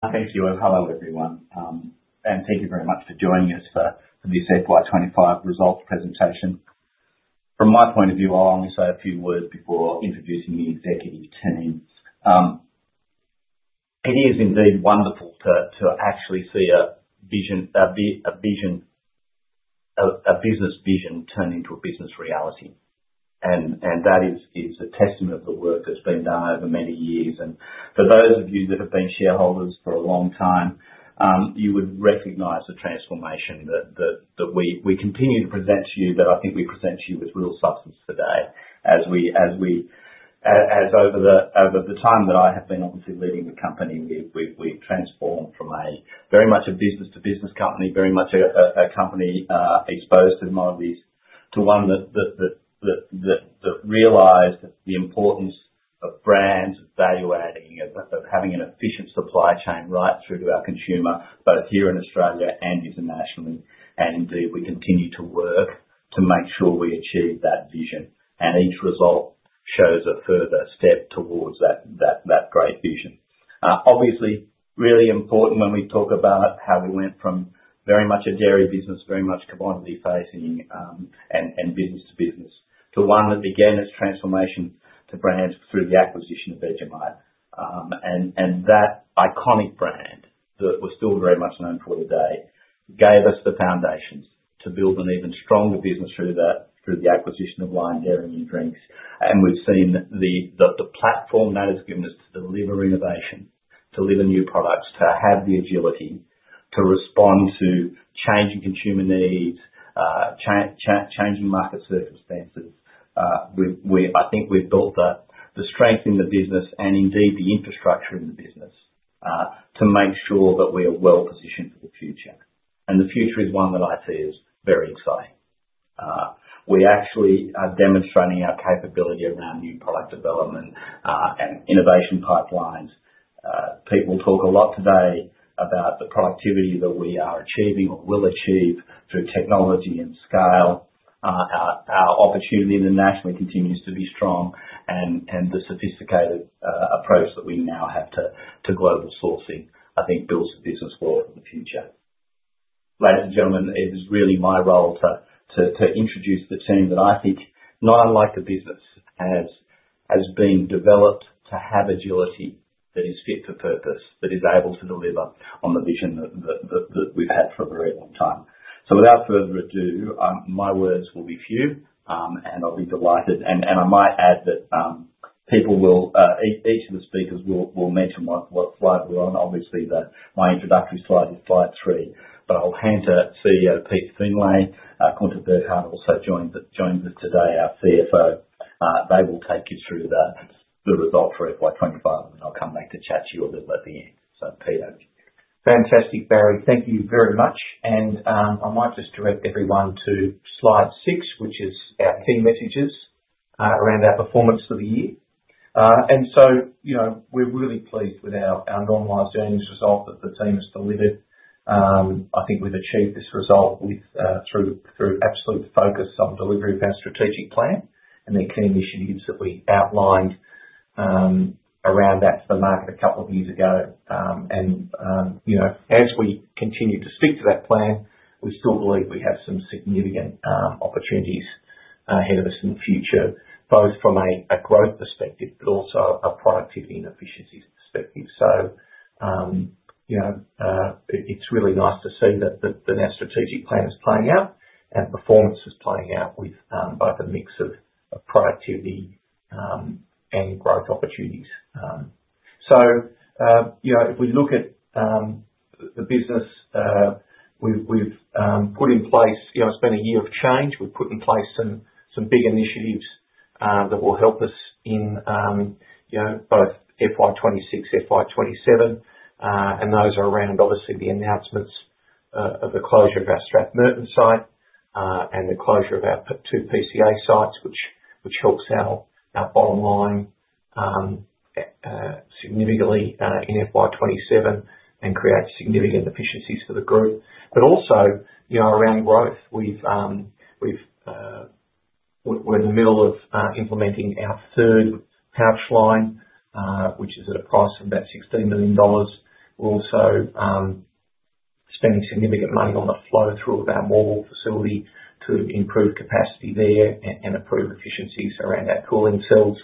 Thank you. Hello everyone, and thank you very much for joining us for this FY 2025 result presentation. From my point of view, I'll only say a few words before introducing the executive team. It is indeed wonderful to actually see a vision, a business vision turned into a business reality. That is a testament to the work that's been done over many years. For those of you that have been shareholders for a long time, you would recognize the transformation that we continue to present to you, that I think we present to you with real substance today. Over the time that I have been obviously leading the company, we've transformed from very much a business-to-business company, very much a company exposed to the modern days, to one that realized the importance of brands, of value adding, of having an efficient supply chain right through to our consumer, both here in Australia and internationally. We continue to work to make sure we achieve that vision. Each result shows a further step towards that great vision. It is really important when we talk about how we went from very much a dairy business, very much commodity facing, and business-to-business to one that began its transformation to brand through the acquisition of Vegemite. That iconic brand that we're still very much known for today gave us the foundations to build an even stronger business through the acquisition of Lion Dairy & Drinks. We've seen the platform that has given us to deliver innovation, to deliver new products, to have the agility to respond to changing consumer needs, changing market circumstances. I think we've built the strength in the business and indeed the infrastructure in the business to make sure that we are well positioned for the future. The future is one that I see as very exciting. We actually are demonstrating our capability around new product development and innovation pipelines. People will talk a lot today about the productivity that we are achieving, what we'll achieve through technology and scale. Our opportunity internationally continues to be strong. The sophisticated approach that we now have to global sourcing, I think, builds the business for the future. Ladies and gentlemen, it is really my role to introduce the team that I think, not unlike the business, has been developed to have agility that is fit for purpose, that is able to deliver on the vision that we've had for a very long time. Without further ado, my words will be few, and I'll be delighted. I might add that people will, each of the speakers will mention one slide we're on. Obviously, my introductory slide is slide three, but I'll hand it to CEO Pete Findlay. Gunther Burghardt also joined us today, our CFO. They will take you through the result for FY 2025, and then I'll come back to chat to you a little at the end. Peter. Fantastic, Barry. Thank you very much. I might just direct everyone to slide six, which is our key messages, around our performance for the year. We're really pleased with our normalised earnings result that the team has delivered. I think we've achieved this result through absolute focus on delivery of our strategic plan and the key initiatives that we outlined around that to the market a couple of years ago. As we continue to stick to that plan, we still believe we have some significant opportunities ahead of us in the future, both from a growth perspective, but also a productivity and efficiency perspective. It's really nice to see that our strategic plan is playing out and performance is playing out with both a mix of productivity and growth opportunities. If we look at the business, we've put in place, it's been a year of change. We've put in place some big initiatives that will help us in both FY 2026 and FY 2027, and those are around, obviously, the announcements of the closure of our Strathmerton site and the closure of our two PCA sites, which helps our bottom line significantly in FY 2027 and creates significant efficiencies for the group. Also, around growth, we're in the middle of implementing our third pouch line, which is at a price of about AUS 16 million. We're also spending significant money on the flow through of our mobile facility to improve capacity there and improve efficiencies around our cooling cells,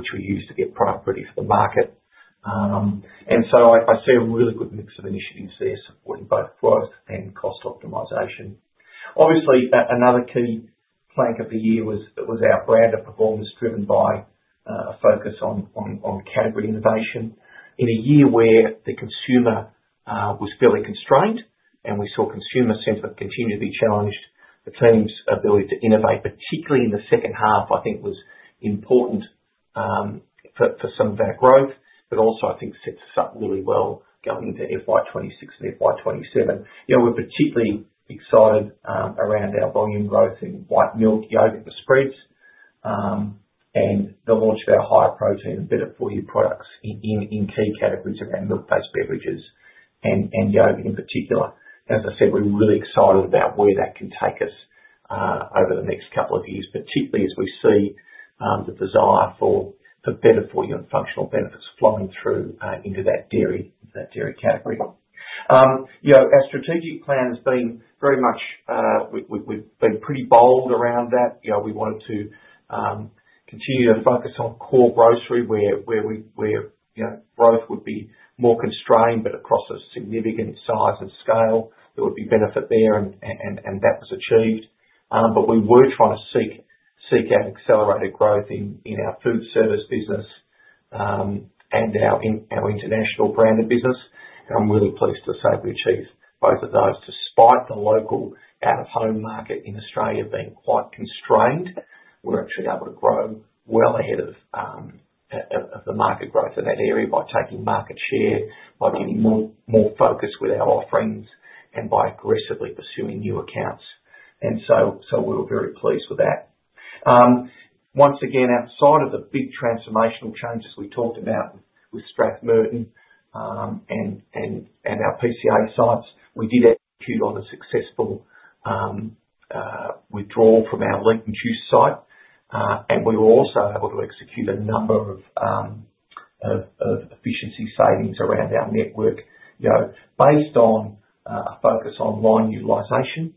which we use to get product ready for the market. I see a really good mix of initiatives there supporting both growth and cost optimisation. Obviously, another key plank of the year was our brand and performance driven by a focus on category innovation. In a year where the consumer was fairly constrained and we saw consumer sentiment continue to be challenged, the team's ability to innovate, particularly in the second half, I think, was important for some of our growth, but also, I think, sets us up really well going into FY 2026 and FY 2027. We're particularly excited around our volume growth in white milk, yogurt, and spreads, and the launch of our high-protein and better for you products in key categories around milk-based beverages and yogurt in particular. As I said, we're really excited about where that can take us over the next couple of years, particularly as we see the desire for better-for-you and functional benefits flowing through into that dairy category. Our strategic plan has been very much, we've been pretty bold around that. You know, we wanted to continue to focus on core grocery where we knew growth would be more constrained, but across a significant size and scale, there would be benefit there, and that was achieved. We were trying to seek out accelerated growth in our food service business and our international branded business. I'm really pleased to say we achieved both of those. Despite the local out-of-home market in Australia being quite constrained, we were actually able to grow well ahead of the market growth in that area by taking market share, by getting more focus with our offerings, and by aggressively pursuing new accounts. We were very pleased with that. Once again, outside of the big transformational changes we talked about with Strathmerton and our PCA sites, we did execute on a successful withdrawal from our Leeton juice site. We were also able to execute a number of efficiency savings around our network, based on a focus on line utilization,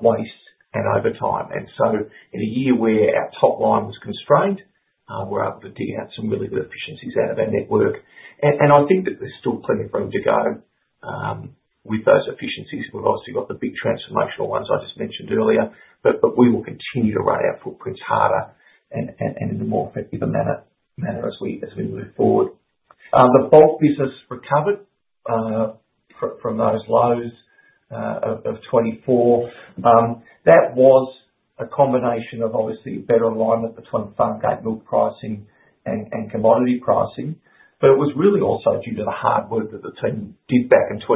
waste, and overtime. In a year where our top line was constrained, we were able to dig out some really good efficiencies out of our network. I think that there's still plenty of room to go with those efficiencies. We've obviously got the big transformational ones I just mentioned earlier, but we will continue to wear our footprints harder and in a more effective manner as we move forward. The bulk business recovered from those lows of 2024. That was a combination of obviously better alignment between farm-gate milk pricing and commodity pricing. It was really also due to the hard work that the team did back in 2020-2024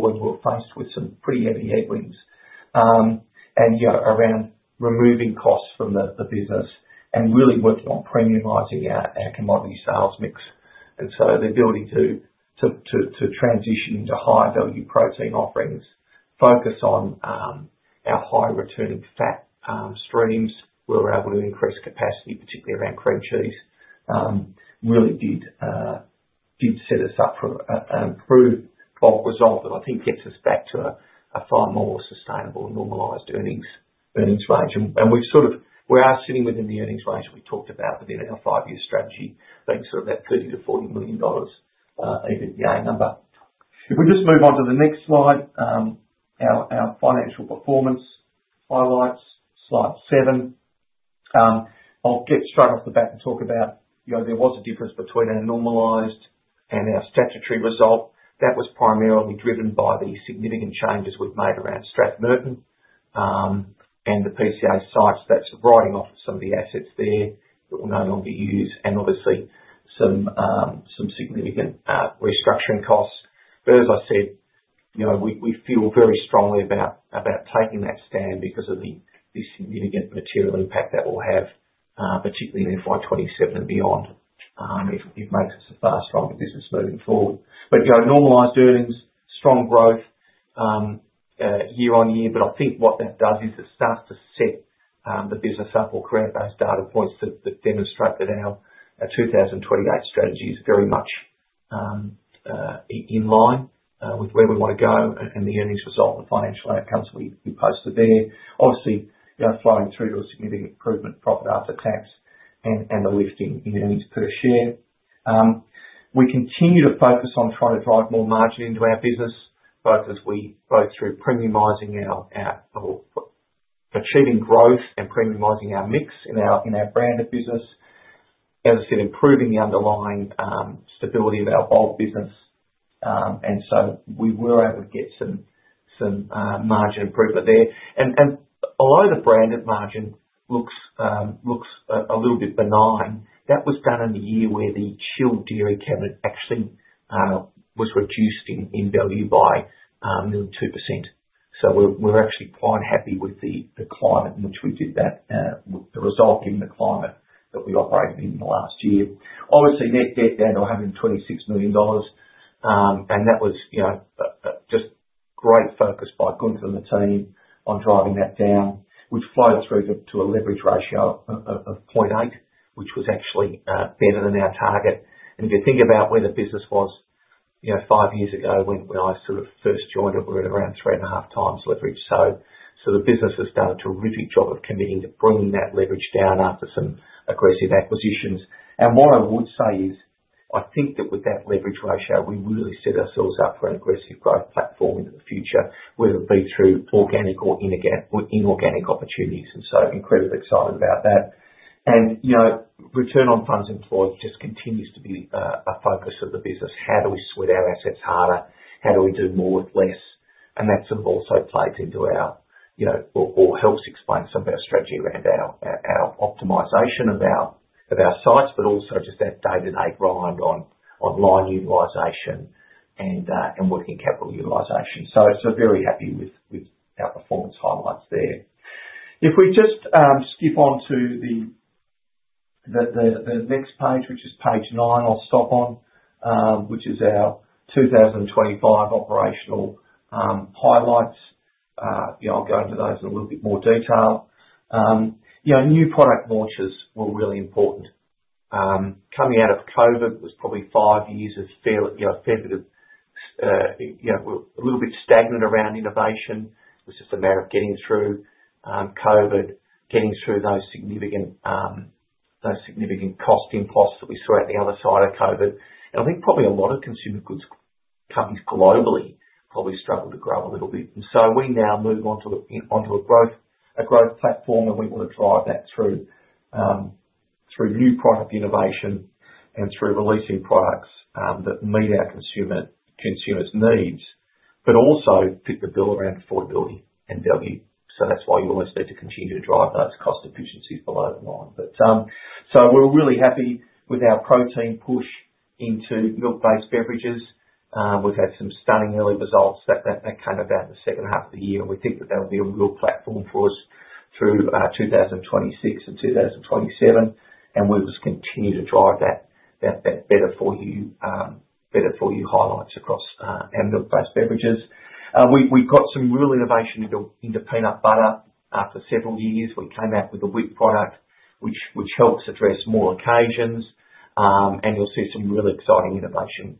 when we were faced with some pretty heavy headwinds, around removing costs from the business and really working on premiumising our commodity sales mix. The ability to transition into higher value protein offerings, focus on our high-returning fat streams, and increase capacity, particularly around cream cheese, really did set us up for an improved bulk result that I think gets us back to a far more sustainable normalised earnings range. We are sitting within the earnings range we talked about within our five-year strategy, being that AUS 30 million-AUS 40 million APPI number. If we just move on to the next slide, our financial performance highlights, slide seven. I'll get straight off the bat and talk about, you know, there was a difference between our normalised and our statutory result. That was primarily driven by the significant changes we've made around Strathmerton and the PCA sites. That's the writing off of some of the assets there that we'll no longer use. Obviously, some significant restructuring costs. As I said, we feel very strongly about taking that stand because of the significant material impact that will have, particularly in FY 2027 and beyond, if it makes us a fast forward business moving forward. You know, normalised earnings, strong growth, year on year. I think what that does is it starts to set the business up or create those data points that demonstrate that our 2028 strategy is very much in line with where we want to go. The earnings result and financial outcomes we posted there, obviously, flowing through to a significant improvement, profit after tax, and the lifting in earnings per share. We continue to focus on trying to drive more margin into our business, both as we go through premiumising or achieving growth and premiumising our mix in our branded business. As I said, improving the underlying stability of our bulk business, and so we were able to get some margin improvement there. Although the branded margin looks a little bit benign, that was done in a year where the chilled dairy cabinet actually was reduced in value by nearly 2%. We are actually quite happy with the result given the climate that we operated in the last year. Obviously, net debt down to AUS 126 million, and that was just great focus by Gunther and the team on driving that down, which flowed us through to a leverage ratio of 0.8, which was actually better than our target. If you think about where the business was five years ago when I first joined it, we were at around 3.5x leverage. The business has done a terrific job of committing to bringing that leverage down after some aggressive acquisitions. What I would say is I think that with that leverage ratio, we really set ourselves up for an aggressive growth platform into the future, whether it be through organic or inorganic opportunities. I'm incredibly excited about that. Return on funds employed just continues to be a focus of the business. How do we split our assets harder? How do we do more with less? That also plays into our strategy around our optimisation of our sites, but also just that day-to-day grind on line utilisation and working capital utilisation. Very happy with our performance highlights there. If we skip on to the next page, which is page nine, I'll stop on, which is our 2025 operational highlights. I'll go into those in a little bit more detail. New product launches were really important. Coming out of COVID, it was probably five years of fairly stagnant innovation. It was just a matter of getting through COVID, getting through those significant cost impacts that we saw at the other side of COVID. I think probably a lot of consumer goods companies globally struggled to grow a little bit. We now move onto a growth platform, and we want to drive that through new product innovation and through releasing products that meet our consumer's needs, but also fit the bill around affordability and value. That's why you always need to continue to drive those cost efficiencies below the line. We're really happy with our protein push into milk-based beverages. We've had some stunning early results that came about in the second half of the year, and we think that will be a real platform for us through 2026 and 2027. We will continue to drive that better for you highlights across milk-based beverages. We've got some real innovation to build into peanut butter after several years. We came out with a wheat product, which helps address more occasions. You'll see some really exciting innovation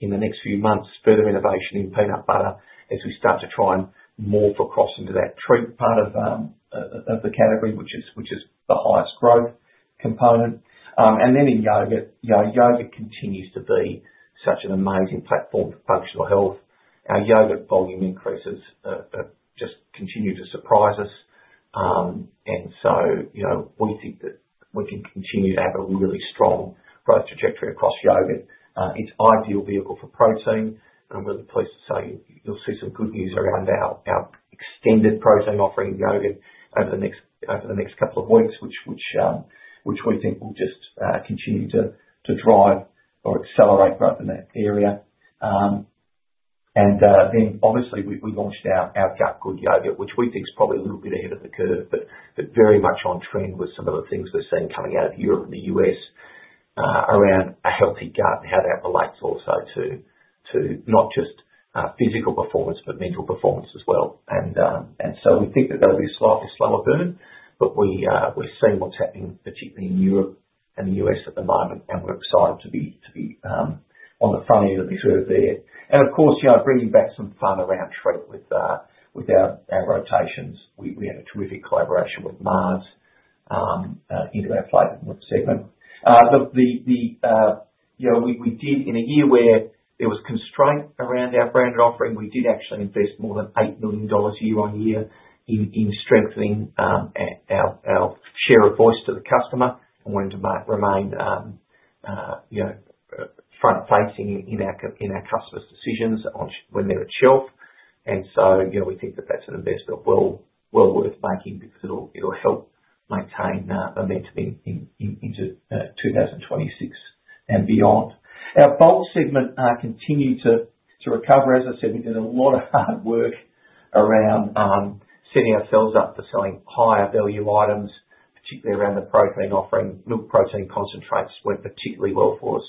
in the next few months, further innovation in peanut butter as we start to try and more for cross into that treat part of the category, which is the highest growth component. In yogurt, yogurt continues to be such an amazing platform for functional health. Our yogurt volume increases just continue to surprise us, and we think that we can continue to have a really strong growth trajectory across yogurt. It's an ideal vehicle for protein, and I'm really pleased to say you'll see some good news around our extended protein offering in yogurt over the next couple of weeks, which we think will just continue to drive or accelerate growth in that area. Obviously, we launched our Gut Good yogurt, which we think is probably a little bit ahead of the curve, but very much on trend with some of the things we're seeing coming out of Europe and the U.S., around a healthy gut and how that relates also to not just physical performance, but mental performance as well. We think that that'll be a slightly slower burn, but we're seeing what's happening, particularly in Europe and the U.S. at the moment, and we're excited to be on the front end of the business there. Of course, bringing back some fun around credit with our rotations. We had a terrific collaboration with Mars into our flight at one second. The, you know, we did in a year where there was constraint around our branded offering, we did actually invest more than AUS 8 million year-on-year in strengthening our share of voice to the customer and wanting to remain front-facing in our customers' decisions on when they're at shelf. We think that that's an investment that will be worth making because it'll help maintain momentum into 2026 and beyond. Our bulk segment continued to recover. As I said, we did a lot of hard work around setting ourselves up for selling higher value items, particularly around the protein offering. Milk protein concentrates went particularly well for us,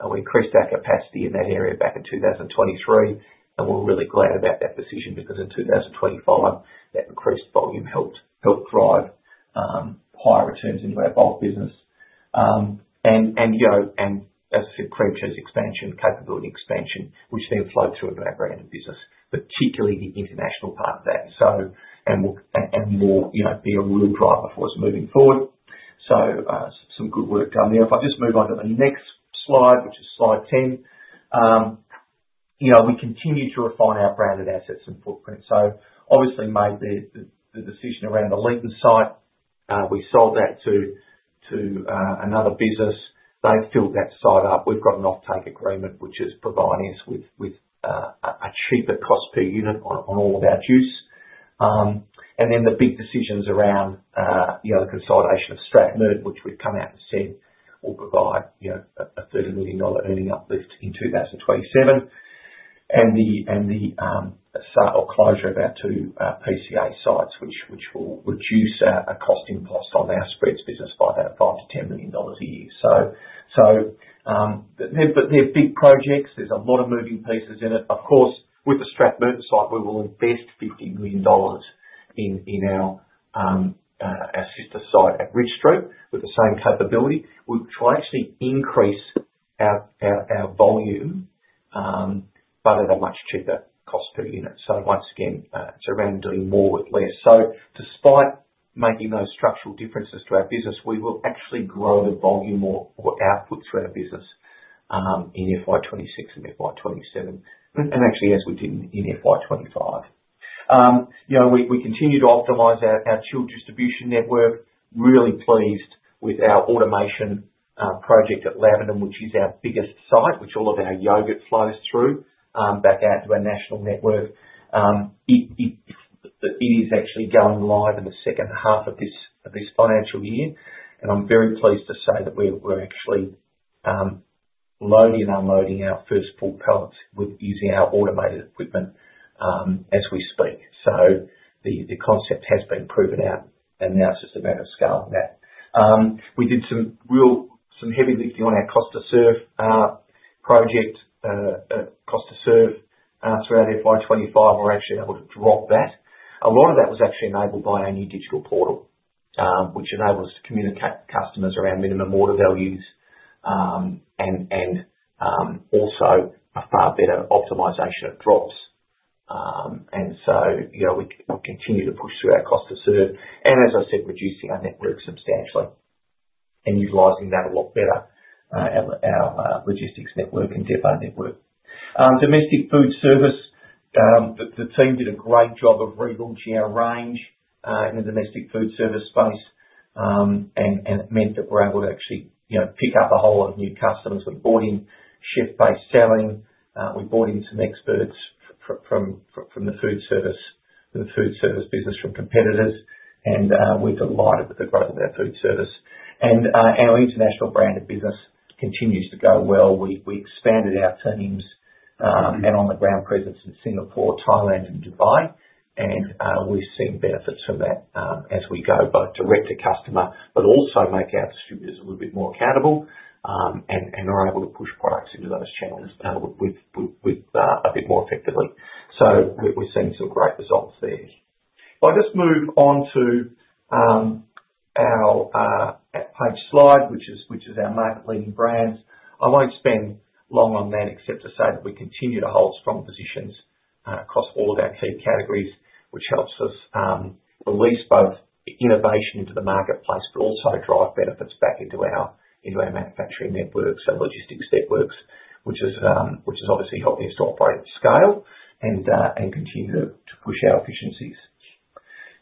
and we increased our capacity in that area back in 2023. We're really glad about that decision because in 2025, that increased volume helped drive higher returns into our bulk business. As I said, cream cheese expansion, capability expansion, we see a flow through of our branded business, particularly the international part of that. It will be a real driver for us moving forward. Some good work done there. If I just move on to the next slide, which is slide 10, we continue to refine our branded assets and footprint. Obviously, we made the decision around the Leeton site. We sold that to another business. They filled that site up. We've got an off-take agreement, which is providing us with a cheaper cost per unit on all of our juice. The big decisions around the consolidation of Strathmerton, which we've come out and said will provide a AUS 30 million earning uplift in 2027, and the sale closure of our two PCA sites, which will reduce a cost impost on our spreads business by about AUS 5 million-AUS 10 million a year. They're big projects. There's a lot of moving pieces in it. Of course, with the Strathmerton site, we will invest AUS 50 million in our sister site at Ridge Street with the same capability. We'll try to actually increase our volume, but at a much cheaper cost per unit. Once again, it's around doing more with less. Despite making those structural differences to our business, we will actually grow the volume or outputs for our business in FY 2026 and FY 2027, and actually, as we did in FY 2025. We continue to optimise our chilled distribution network. Really pleased with our automation project at Laverton, which is our biggest site, which all of our yogurt flows through, back out to our national network. It is actually going live in the second half of this financial year. I'm very pleased to say that we're actually loading and unloading our first full pallets using our automated equipment, as we speak. The concept has been proven out, and now it's just a matter of scaling that. We did some heavy lifting on our Cost to Serve project. Cost to Serve, throughout FY 2025, we're actually able to drop that. A lot of that was actually enabled by our new digital portal, which enables us to communicate to customers around minimum order values, and also a far better optimisation of drops. We continue to push through our Cost to Serve and, as I said, reducing our network substantially and utilizing that a lot better, at our logistics network and depot network. Domestic Food Service, the team did a great job of relaunching our range in the domestic food service space, and it meant that we're able to actually pick up a whole lot of new customers. We brought in shift-based selling. We brought in some experts from the food service business from competitors, and we're delighted with the growth of that food service. Our international branded business continues to go well. We expanded our teams and on-the-ground presence in Singapore, Thailand, and Dubai. We're seeing benefits from that as we go, both direct to customer, but also make our distributors a little bit more accountable and are able to push products into those channels a bit more effectively. We're seeing some great results there. If I just move on to our page slide, which is our market-leading brands, I won't spend long on that except to say that we continue to hold strong positions across all of our key categories, which helps us release both innovation into the marketplace but also drive benefits back into our manufacturing networks and logistics networks, which is obviously helping us to operate at scale and continue to push our efficiencies.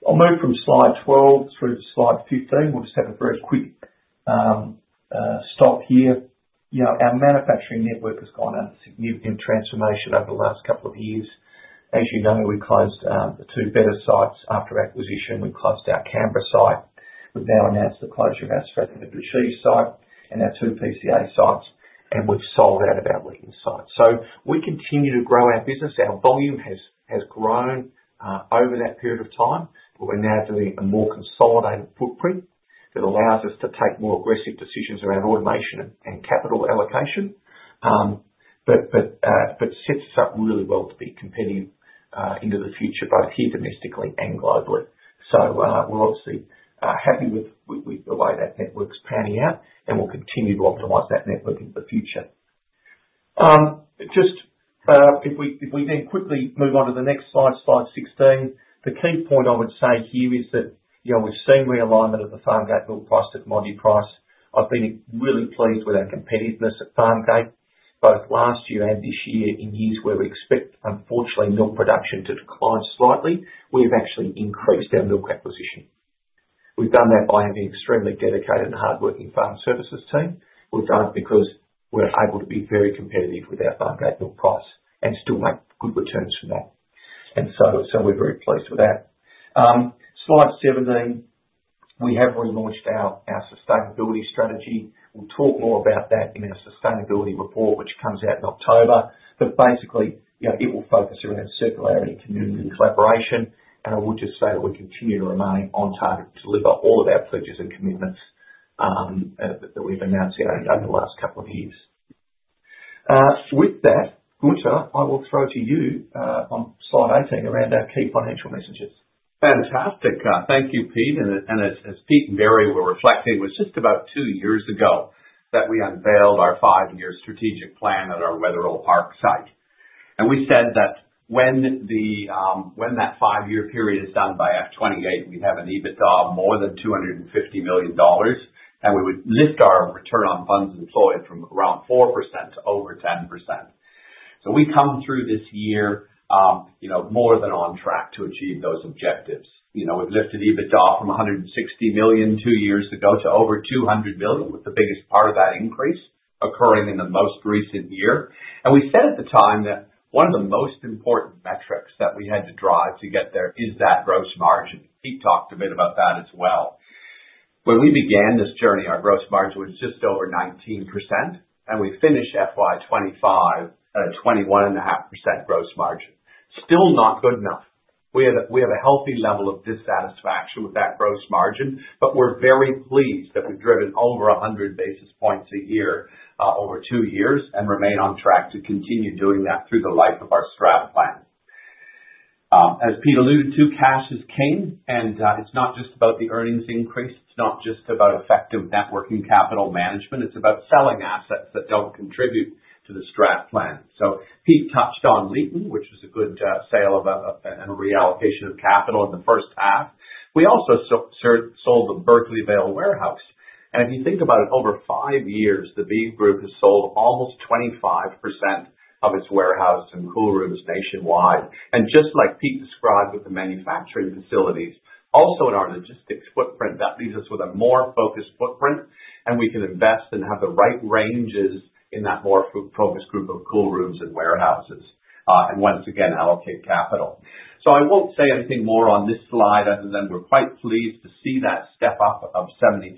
I'll move from slide 12 through to slide 15. We'll just have a very quick stop here. Our manufacturing network has gone on a significant transformation over the last couple of years. As you know, we closed the two Bega sites after acquisition. We closed our Canberra site. We've now announced the closure of our Strathmerton cheese site and our two PCA sites, and we've sold out of our Leeton site. We continue to grow our business. Our volume has grown over that period of time, but we're now doing a more consolidated footprint that allows us to take more aggressive decisions around automation and capital allocation, but sets us up really well to be competitive into the future, both here domestically and globally. We're obviously happy with the way that network's panning out, and we'll continue to optimize that network into the future. If we then quickly move on to the next slide, slide 16, the key point I would say here is that we're seeing realignment of the farm-grade milk price to commodity price. I've been really pleased with our competitiveness at farm-grade both last year and this year in years where we expect, unfortunately, milk production to decline slightly. We've actually increased our milk acquisition. We've done that by having an extremely dedicated and hardworking farm services team. We've done it because we're able to be very competitive with our farm-grade milk price and still make good returns from that. We're very pleased with that. Slide 17, we have relaunched our sustainability strategy. We'll talk more about that in our sustainability report, which comes out in October. Basically, it will focus around circularity and community collaboration. I will just say that we continue to remain on target to deliver all of our pledges and commitments that we've announced here in the last couple of years. With that, Gunther, I will throw to you on slide 18 around our key financial messages. Fantastic. Thank you, Pete. As Pete and Barry were reflecting, it was just about two years ago that we unveiled our five-year strategic plan at our Wetherill Park site. We said that when that five-year period is done by FY 2028, we'd have an EBITDA of more than AUS 250 million, and we would lift our return on funds employed from around 4% to over 10%. We come through this year more than on track to achieve those objectives. We've lifted EBITDA from AUS 160 million two years ago to over AUS 200 million, with the biggest part of that increase occurring in the most recent year. We said at the time that one of the most important metrics that we had to drive to get there is that gross margin. Pete talked a bit about that as well. When we began this journey, our gross margin was just over 19%, and we finished FY 2025 at a 21.5% gross margin. Still not good enough. We have a healthy level of dissatisfaction with that gross margin, but we're very pleased that we've driven over 100 basis points a year over two years and remain on track to continue doing that through the life of our strat plan. As Pete alluded to, cash has come, and it's not just about the earnings increase. It's not just about effective networking capital management. It's about selling assets that don't contribute to the strat plan. Pete touched on Leeton, which was a good sale of a reallocation of capital in the first half. We also sold the Berkeley Vale warehouse. As you think about it, over five years, the Bega Group has sold almost 25% of its warehouse and cool rooms nationwide. Just like Pete described with the manufacturing facilities, also in our logistics footprint, that leaves us with a more focused footprint, and we can invest and have the right ranges in that more focused group of cool rooms and warehouses, and once again allocate capital. I won't say anything more on this slide other than we're quite pleased to see that step up of 73% in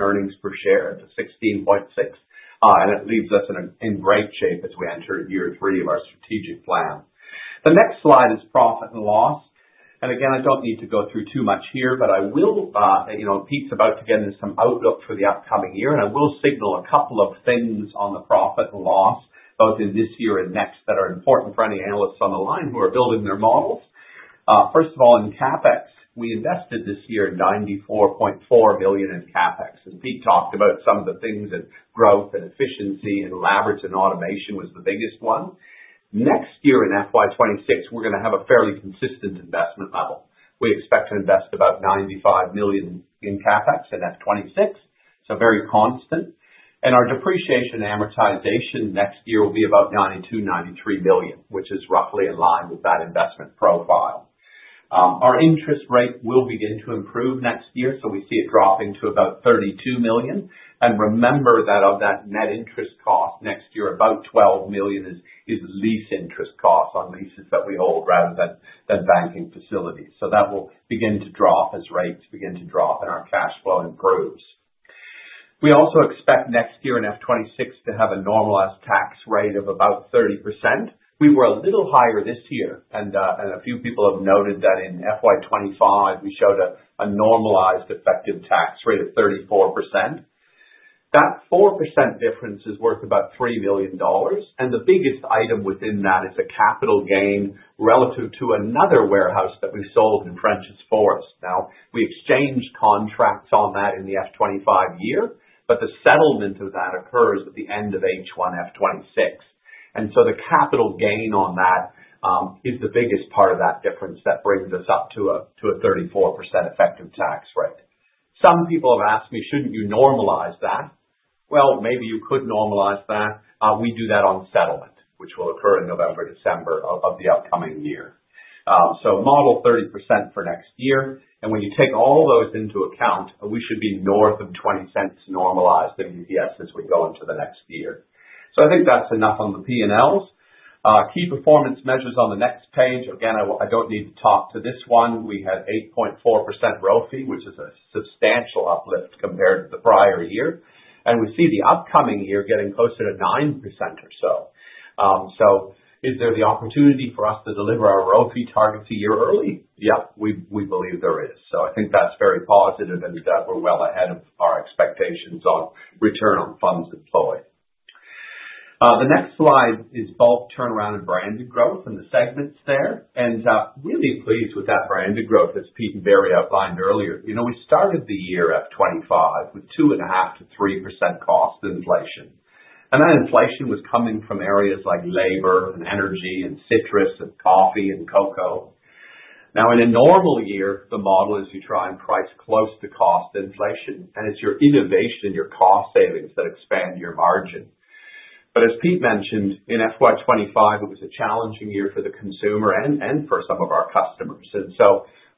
earnings per share to AUS 0.166. It leaves us in great shape as we enter year three of our strategic plan. The next slide is profit and loss. I don't need to go through too much here, but Pete's about to get into some outlook for the upcoming year, and I will signal a couple of things on the profit and loss, both in this year and next, that are important for any analysts on the line who are building their models. First of all, in CapEx, we invested this year AUS 94.4 million in CapEx. As Pete talked about, some of the things in growth and efficiency and leverage and automation was the biggest one. Next year in FY 2026, we're going to have a fairly consistent investment level. We expect to invest about AUS 95 million in CapEx in FY 2026, so very constant. Our depreciation and amortization next year will be about AUS 92 million, AUS 93 million, which is roughly in line with that investment profile. Our interest rate will begin to improve next year, so we see it dropping to about AUS 32 million. Remember that of that net interest cost next year, about AUS 12 million is lease interest costs on leases that we hold rather than banking facilities. That will begin to drop as rates begin to drop and our cash flow improves. We also expect next year in FY 2026 to have a normalised tax rate of about 30%. We were a little higher this year, and a few people have noted that in FY 2025, we showed a normalised effective tax rate of 34%. That 4% difference is worth about AUS 3 million. The biggest item within that is a capital gain relative to another warehouse that we sold in Frenchs Forest. We exchanged contracts on that in the FY 2025 year, but the settlement of that occurs at the end of H1 FY 2026. The capital gain on that is the biggest part of that difference that brings us up to a 34% effective tax rate. Some people have asked me, "Shouldn't you normalise that?" Maybe you could normalise that. We do that on settlement, which will occur in November, December of the upcoming year. Model 30% for next year. When you take all those into account, we should be north of AUS 0.20 normalised in EPS as we go into the next year. I think that's enough on the P&Ls. Key performance measures on the next page. Again, I don't need to talk to this one. We had 8.4% royalty, which is a substantial uplift compared to the prior year. We see the upcoming year getting closer to 9% or so. Is there the opportunity for us to deliver our royalty targets a year early? Yep, we believe there is. I think that's very positive and that we're well ahead of our expectations on return on funds deployed. The next slide is bulk turnaround and branded growth and the segments there. I'm really pleased with that branded growth as Pete and Barry outlined earlier. You know, we started the year FY 2025 with 2.5%-3% cost inflation. That inflation was coming from areas like labor and energy and citrus and coffee and cocoa. In a normal year, the model is you try and price close to cost inflation, and it's your innovation and your cost savings that expand your margin. As Pete mentioned, in FY 2025, it was a challenging year for the consumer and for some of our customers.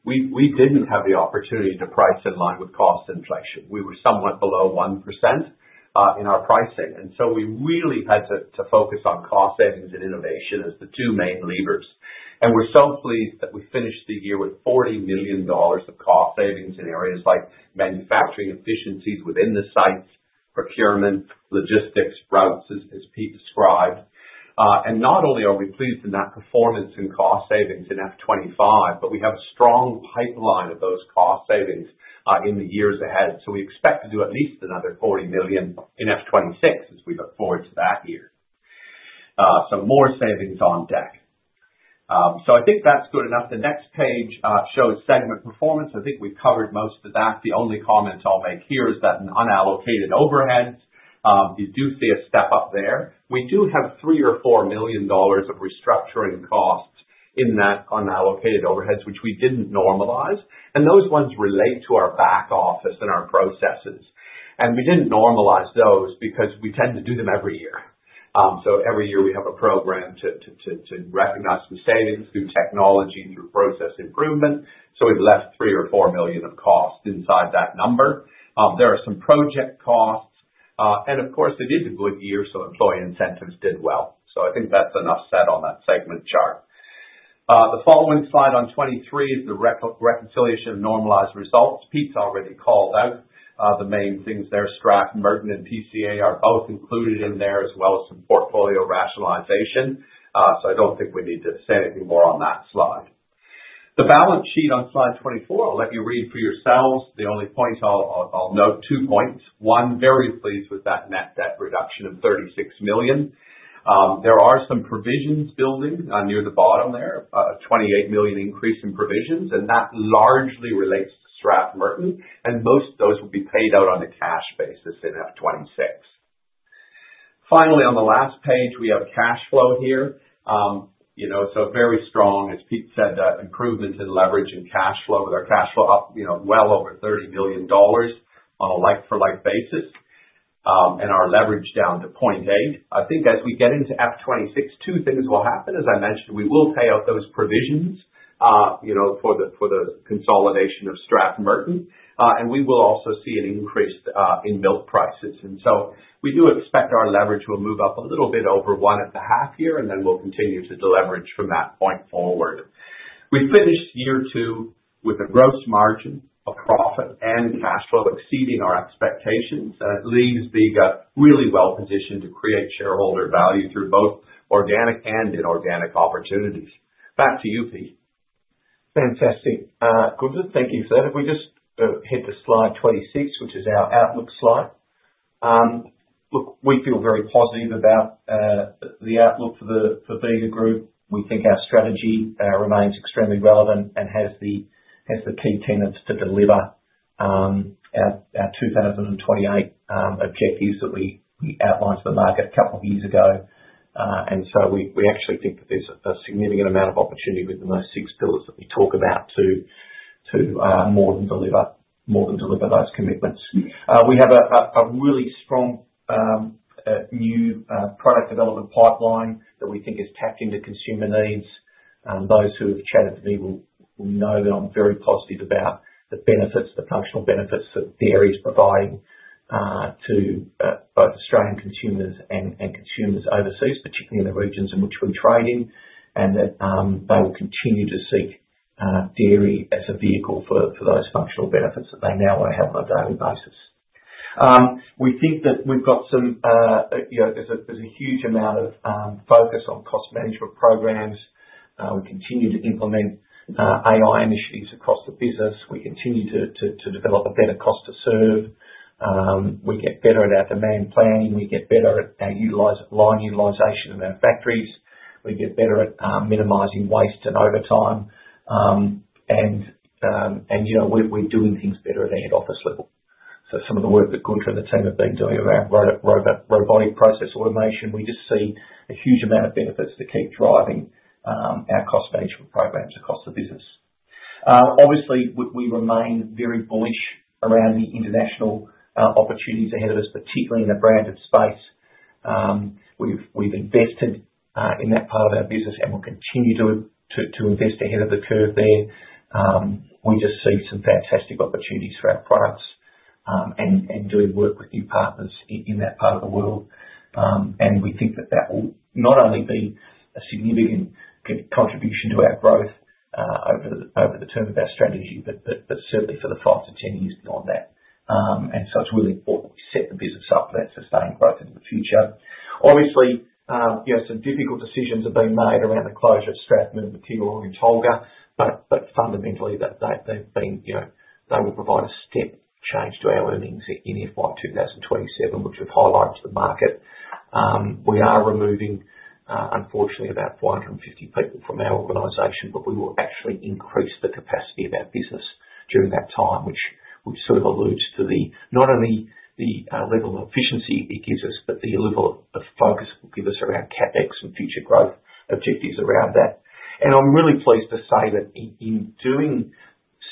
We didn't have the opportunity to price in line with cost inflation. We were somewhat below 1% in our pricing. We really had to focus on cost savings and innovation as the two main levers. We're so pleased that we finished the year with AUS 40 million of cost savings in areas like manufacturing efficiencies within the sites, procurement, logistics, routes, as Pete described. Not only are we pleased in that performance and cost savings in FY 2025, but we have a strong pipeline of those cost savings in the years ahead. We expect to do at least another AUS 40 million in FY 2026 as we look forward to that year, with some more savings on deck. I think that's good enough. The next page shows sentiment performance. I think we covered most of that. The only comment I'll make here is that in unallocated overheads, you do see a step up there. We do have AUS 3 million-AUS 4 million of restructuring costs in that unallocated overheads, which we didn't normalize. Those ones relate to our back office and our processes. We didn't normalize those because we tend to do them every year. Every year we have a program to recognize the savings through technology and process improvement. We've left AUS 3 million-AUS 4 million of cost inside that number. There are some project costs, and of course, it is a good year, so employee incentives did well. I think that's enough said on that segment chart. The following slide on 23 is the reconciliation of normalised results. Pete's already called out the main things there. Strathmerton and PCA are both included in there as well as some portfolio rationalization. I don't think we need to say anything more on that slide. The balance sheet on slide 24, I'll let you read for yourselves. The only points I'll note, two points. One, very pleased with that net debt reduction of AUS 36 million. There are some provisions building near the bottom there, a AUS 28 million increase in provisions, and that largely relates to Strathmerton. Most of those will be paid out on a cash basis in FY 2026. Finally, on the last page, we have cash flow here. You know, so very strong, as Pete said, improvements in leverage and cash flow with our cash flow up, you know, well over AUS 30 million on a like-for-like basis, and our leverage down to 0.8. I think as we get into FY 2026, two things will happen. As I mentioned, we will pay out those provisions for the consolidation of Strathmerton, and we will also see an increase in milk prices. We do expect our leverage will move up a little bit over one at the half year, and then we'll continue to deleverage from that point forward. We finish year two with a gross margin, a profit, and cash flow exceeding our expectations. That leaves the really well positioned to create shareholder value through both organic and inorganic opportunities. Back to you, Pete. Fantastic. Gunther, thank you for that. If we just hit slide 26, which is our outlook slide. Look, we feel very positive about the outlook for the Bega Group. We think our strategy remains extremely relevant and has the key tenets to deliver our 2028 objectives that we outlined to the market a couple of years ago. We actually think that there's a significant amount of opportunity with the six pillars that we talk about to more than deliver more than those commitments. We have a really strong new product development pipeline that we think is tapped into consumer needs. Those who have chatted with me will know that I'm very positive about the benefits, the functional benefits that dairy is providing to both Australian consumers and consumers overseas, particularly in the regions in which we trade in, and that they will continue to seek dairy as a vehicle for those functional benefits that they now want to have on a daily basis. We think that we've got some, you know, there's a huge amount of focus on cost management programs. We continue to implement AI initiatives across the business. We continue to develop a better cost to serve. We get better at our demand planning. We get better at our line utilization in our factories. We get better at minimizing waste and overtime, and we're doing things better at our head office level. Some of the work that Gunther and the team have been doing around robotic process automation, we just see a huge amount of benefits to keep driving our cost management programs across the business. Obviously, we remain very bullish around the international opportunities ahead of us, particularly in the branded space. We've invested in that part of our business, and we'll continue to invest ahead of the curve there. We just see some fantastic opportunities for our products and doing work with new partners in that part of the world. We think that will not only be a significant contribution to our growth over the term of our strategy, but certainly for the 5-10 years beyond that. It's really important that we set the business up for that sustained growth into the future. Obviously, some difficult decisions are being made around the closure of Strathmerton material or in Tolga, but fundamentally, they will provide a step change to our earnings in FY 2027, which would highlight to the market. We are removing, unfortunately, about 450 people from our organization, but we will actually increase the capacity of our business during that time, which alludes to not only the level of efficiency it gives us, but the level of focus it will give us around CapEx and future growth objectives around that. I'm really pleased to say that in doing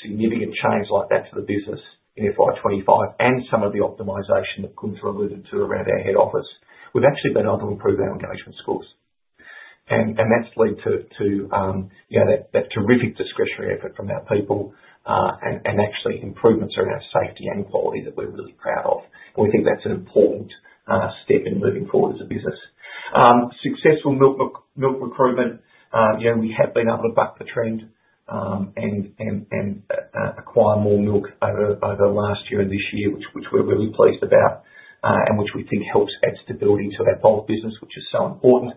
significant change like that for the business in FY 2025 and some of the optimization that Gunther alluded to around our head office, we've actually been able to improve our engagement scores. That's led to that terrific discretionary effort from our people, and actually improvements around our safety and quality that we're really proud of. We think that's an important step in moving forward as a business. Successful milk recruitment, we have been able to buck the trend, and acquire more milk over the last year and this year, which we're really pleased about, and which we think helps add stability to our bulk business, which is so important.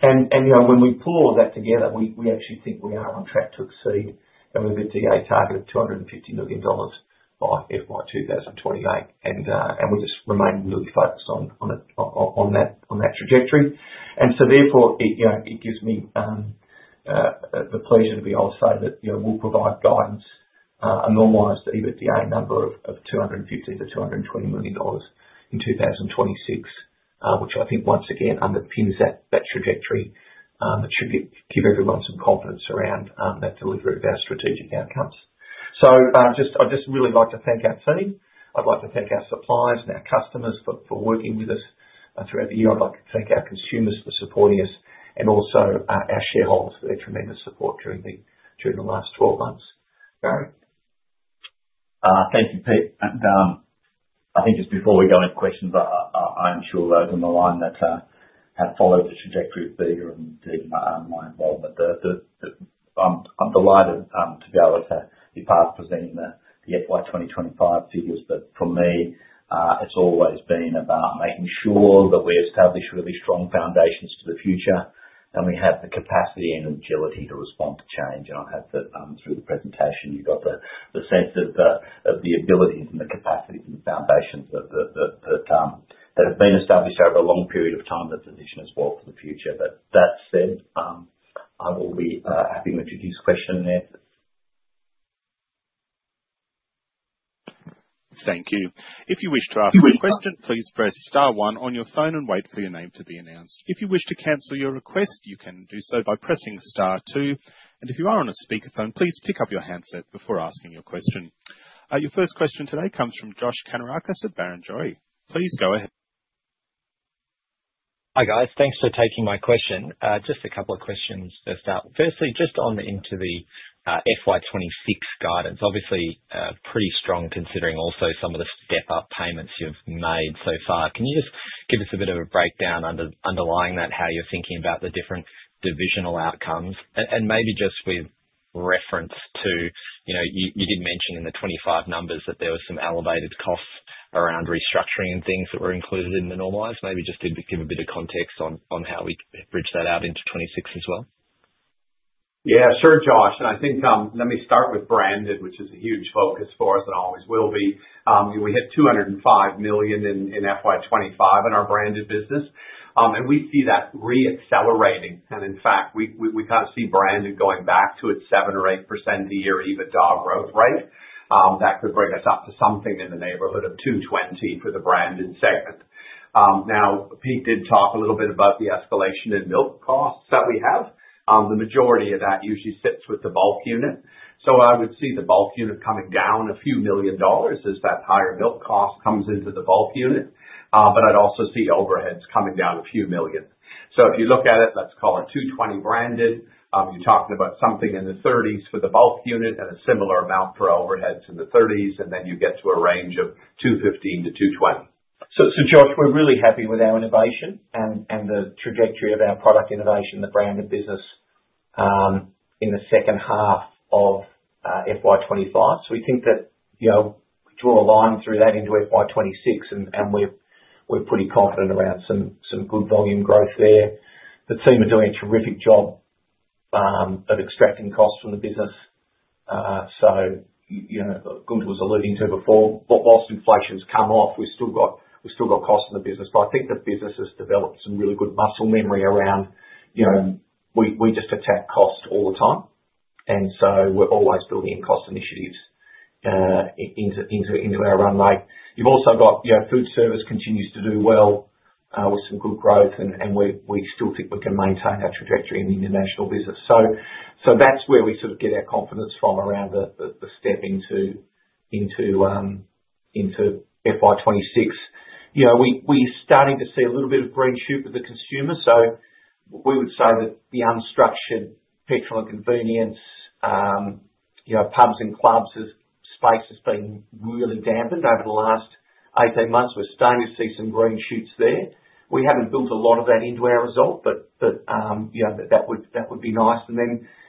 When we pull all of that together, we actually think we are on track to exceed and we'll be at the target of AUS 250 million by FY 2028. We'll just remain really focused on that trajectory. Therefore, it gives me the pleasure to be able to say that we'll provide guidance, and normalize the EBITDA number of AUS 250 to AUS 220 million in 2026, which I think once again underpins that trajectory, that should give everyone some confidence around that delivery of our strategic outcomes. I'd just really like to thank our team. I'd like to thank our suppliers and our customers for working with us throughout the year. I'd like to thank our consumers for supporting us and also our shareholders for their tremendous support during the last 12 months. Thank you, Pete. I think just before we go into questions, I'm sure those on the line that had followed the trajectory of Bega and did, my involvement there. I'm delighted to be able to be part of presenting the FY 2025 figures. For me, it's always been about making sure that we establish really strong foundations for the future and we have the capacity and agility to respond to change. I hope that, through the presentation, you got the sense of the abilities and the capacity and the foundations that have been established over a long period of time that position us well for the future. I will be happy to introduce questions and answers. Thank you. If you wish to ask your question, please press star one on your phone and wait for your name to be announced. If you wish to cancel your request, you can do so by pressing star two. If you are on a speakerphone, please pick up your handset before asking your question. Your first question today comes from Josh Kannourakis at Barrenjoey. Please go ahead. Hi guys. Thanks for taking my question. Just a couple of questions to start. Firstly, just on into the FY 2026 guidance. Obviously, pretty strong considering also some of the step-up payments you've made so far. Can you just give us a bit of a breakdown underlying that, how you're thinking about the different divisional outcomes? Maybe just with reference to, you know, you did mention in the 2025 numbers that there were some elevated costs around restructuring and things that were included in the normalised. Maybe just give a bit of context on how we bridge that out into 2026 as well. Yeah, sure, Josh. I think, let me start with branded, which is a huge focus for us and always will be. You know, we hit AUS 205 million in FY 2025 in our branded business, and we see that re-accelerating. In fact, we kind of see branded going back to its 7%-8% a year EBITDA growth, right? That could bring us up to something in the neighborhood of AUS 220 million for the branded segment. Now, Pete did talk a little bit about the escalation in milk costs that we have. The majority of that usually sits with the bulk unit. I would see the bulk unit coming down a few million dollars as that higher milk cost comes into the bulk unit. I'd also see overheads coming down a few million. If you look at it, let's call it AUS 220 million branded, you're talking about something in the AUS 30 millions for the bulk unit and a similar amount for overheads in the AUS 30 millions, and then you get to a range of AUS 215 million-AUS 220 million. Josh, we're really happy with our innovation and the trajectory of our product innovation, the branded business, in the second half of FY 2025. We think that we're aligned through that into FY 2026, and we're pretty confident around some good volume growth there. The team are doing a terrific job of extracting costs from the business. Gunther was alluding to this before, but whilst inflation has come off, we've still got costs in the business. I think the business has developed some really good muscle memory around, you know, we just attack cost all the time. We're always building in cost initiatives into our runway. You've also got food service continuing to do well, with some good growth, and we still think we can maintain our trajectory in the international business. That's where we sort of get our confidence from around the step into FY 2026. We're starting to see a little bit of green shoot with the consumers. We would say that the unstructured petrol and convenience, you know, pubs and clubs' space is feeling really dampened over the last 18 months. We're starting to see some green shoots there. We haven't built a lot of that into our result, but that would be nice.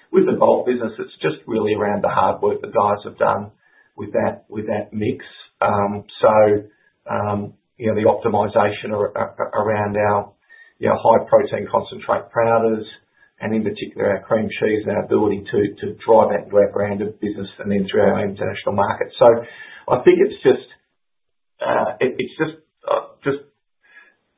With the gold business, it's just really around the hard work the guys have done with that mix. The optimisation around our high-protein concentrate prenatals and in particular our cream cheese and our ability to drive that into our branded business and into our international market. I think it's just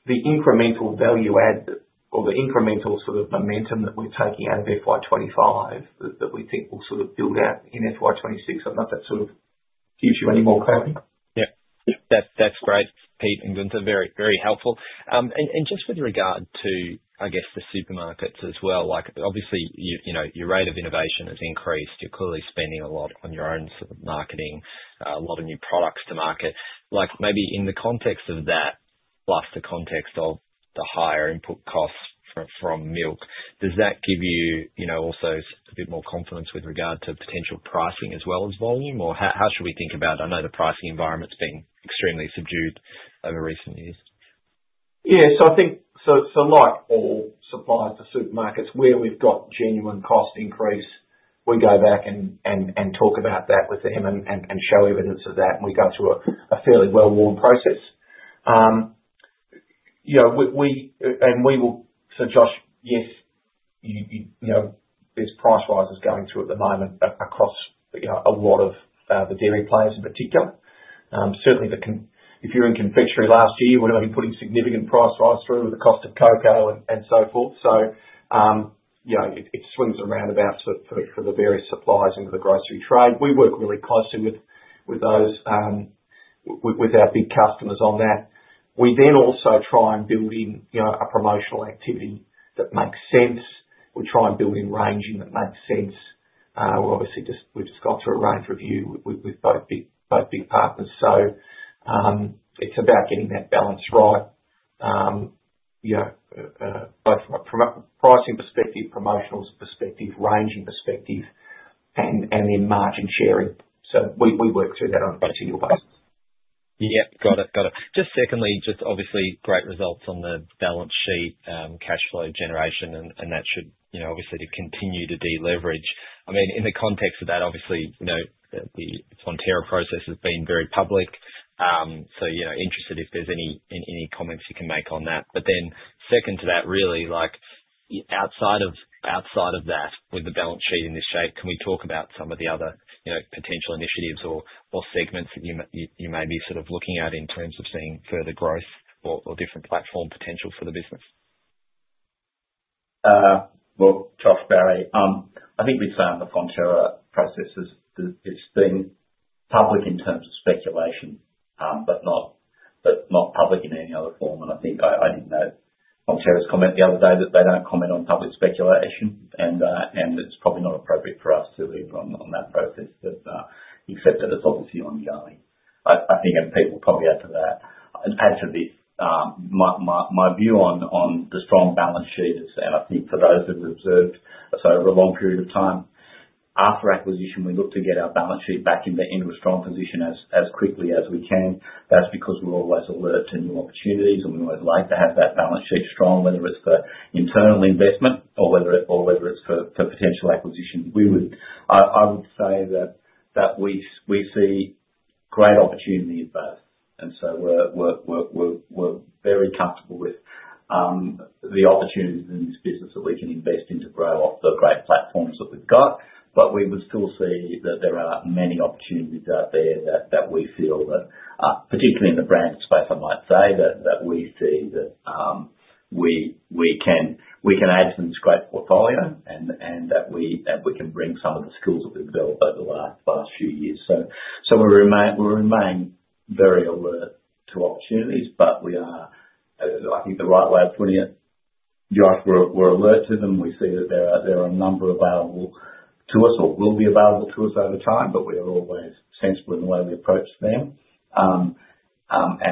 the incremental value add or the incremental sort of momentum that we're taking out of FY 2025 that we think will sort of build out in FY 2026. I don't know if that gives you any more clarity. Yeah. Yeah. That's great, Pete and Gunther. Very, very helpful. Just with regard to, I guess, the supermarkets as well, obviously, you know, your rate of innovation has increased. You're clearly spending a lot on your own sort of marketing, a lot of new products to market. Maybe in the context of that, plus the context of the higher input costs from milk, does that give you, you know, also a bit more confidence with regard to potential pricing as well as volume? How should we think about it? I know the pricing environment's been extremely subdued over recent years. Yeah, I think like all suppliers to supermarkets, where we've got genuine cost increase, we go back and talk about that with them and show evidence of that. We go through a fairly well-laid process. You know, Josh, yes, you know, there's price rises going through at the moment across a lot of the dairy players in particular. Certainly, if you're in confectionery last year, we're going to be putting significant price rises through with the cost of cocoa and so forth. It swings around about for the various suppliers into the grocery trade. We work really closely with our big customers on that. We then also try and build in promotional activity that makes sense. We try and build in ranging that makes sense. We've just gone through a range review with both big partners. It's about getting that balance right, both from a pricing perspective, promotional perspective, ranging perspective, and then margin sharing. We work through that on both of your bucks. Yeah, got it. Just secondly, obviously great results on the balance sheet, cash flow generation, and that should, you know, obviously continue to deleverage. In the context of that, obviously, you know, the Fonterra process has been very public. I'm interested if there's any comments you can make on that. Second to that, really, like outside of that, with the balance sheet in this shape, can we talk about some of the other potential initiatives or segments that you may be sort of looking at in terms of seeing further growth or different platform potential for the business? Josh, Barry, I think we found the Fonterra process has been public in terms of speculation, but not public in any other form. I think I didn't know Fonterra's comment the other day that they don't comment on public speculation, and it's probably not appropriate for us to leave on that focus, except that it's obviously ongoing. I think people will probably add to that. As to this, my view on the strong balance sheet is, and I think for those that have observed us over a long period of time, after acquisition, we look to get our balance sheet back into a strong position as quickly as we can. That's because we're always alert to new opportunities, and we always like to have that balance sheet strong, whether it's for internal investment or whether it's for potential acquisition. I would say that we see great opportunity in both, and we're very comfortable with the opportunities in this business that we can invest in to grow off the great platforms that we've got. We would still see that there are many opportunities out there that we feel that, particularly in the branded space, I might say that we see that we can add to this great portfolio and that we can bring some of the skills that we've developed over the last few years. We remain very alert to opportunities, but I think the right way of putting it, Josh, is we're alert to them. We see that there are a number available to us or will be available to us over time, but we have always sensibly and lowly approached them.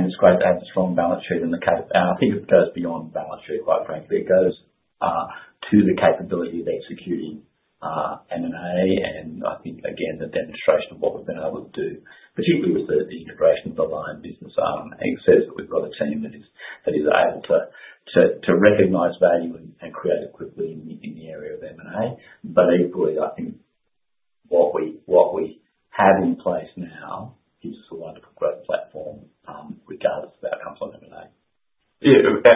It's great to have a strong balance sheet in the case and I think it goes beyond balance sheet, quite frankly. It goes to the capability of executing M&A and I think, again, the demonstration of what we've been able to do, particularly with the integration of the line business, our aim says that we've got a team that is able to recognize value and create it quickly in the area of M&A. Equally, I think what we have in place now gives us a wonderful growth platform regardless of whether that comes from M&A.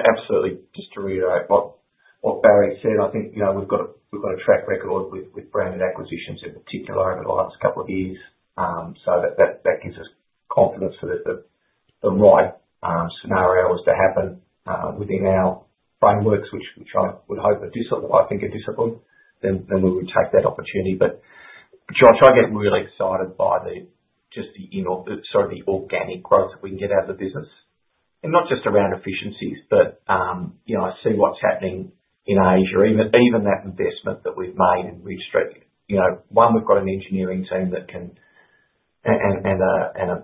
Absolutely. Just to reiterate what Barry said, I think we've got a track record with branded acquisitions in particular over the last couple of years. That gives us confidence for the right scenarios to happen within our frameworks, which I would hope are dissimilar. I think they're dissimilar. We would take that opportunity. Josh, I get really excited by the organic growth that we can get out of the business, and not just around efficiencies. I see what's happening in Asia, or even that investment that we've made in registration. We've got an engineering team, a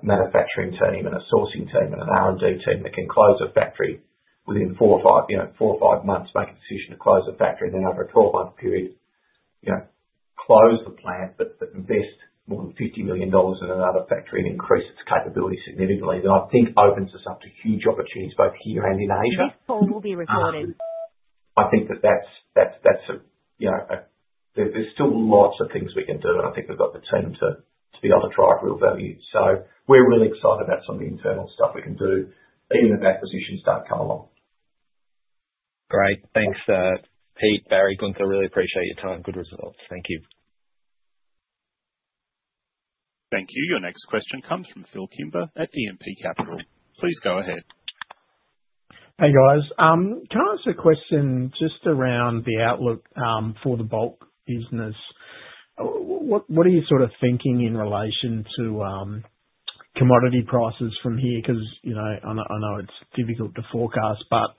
manufacturing team, a sourcing team, and an R&D team that can close a factory within four or five months, make a decision to close the factory, and then over a 12-month period, close the plant, invest more than AUS 50 million in another factory, and increase its capability significantly. I think that opens us up to huge opportunities both here and in Asia. This call will be recorded. I think that there's still lots of things we can do. I think we've got the team to be able to drive real value. We're really excited about some of the internal stuff we can do even as acquisitions start to come along. Great. Thanks, Pete, Barry, Gunther. Really appreciate your time. Good results. Thank you. Thank you. Your next question comes from Phil Kimber at E&P Capital. Please go ahead. Hey, guys. Can I ask a question just around the outlook for the bulk business? What are you sort of thinking in relation to commodity prices from here? Because, you know, I know it's difficult to forecast, but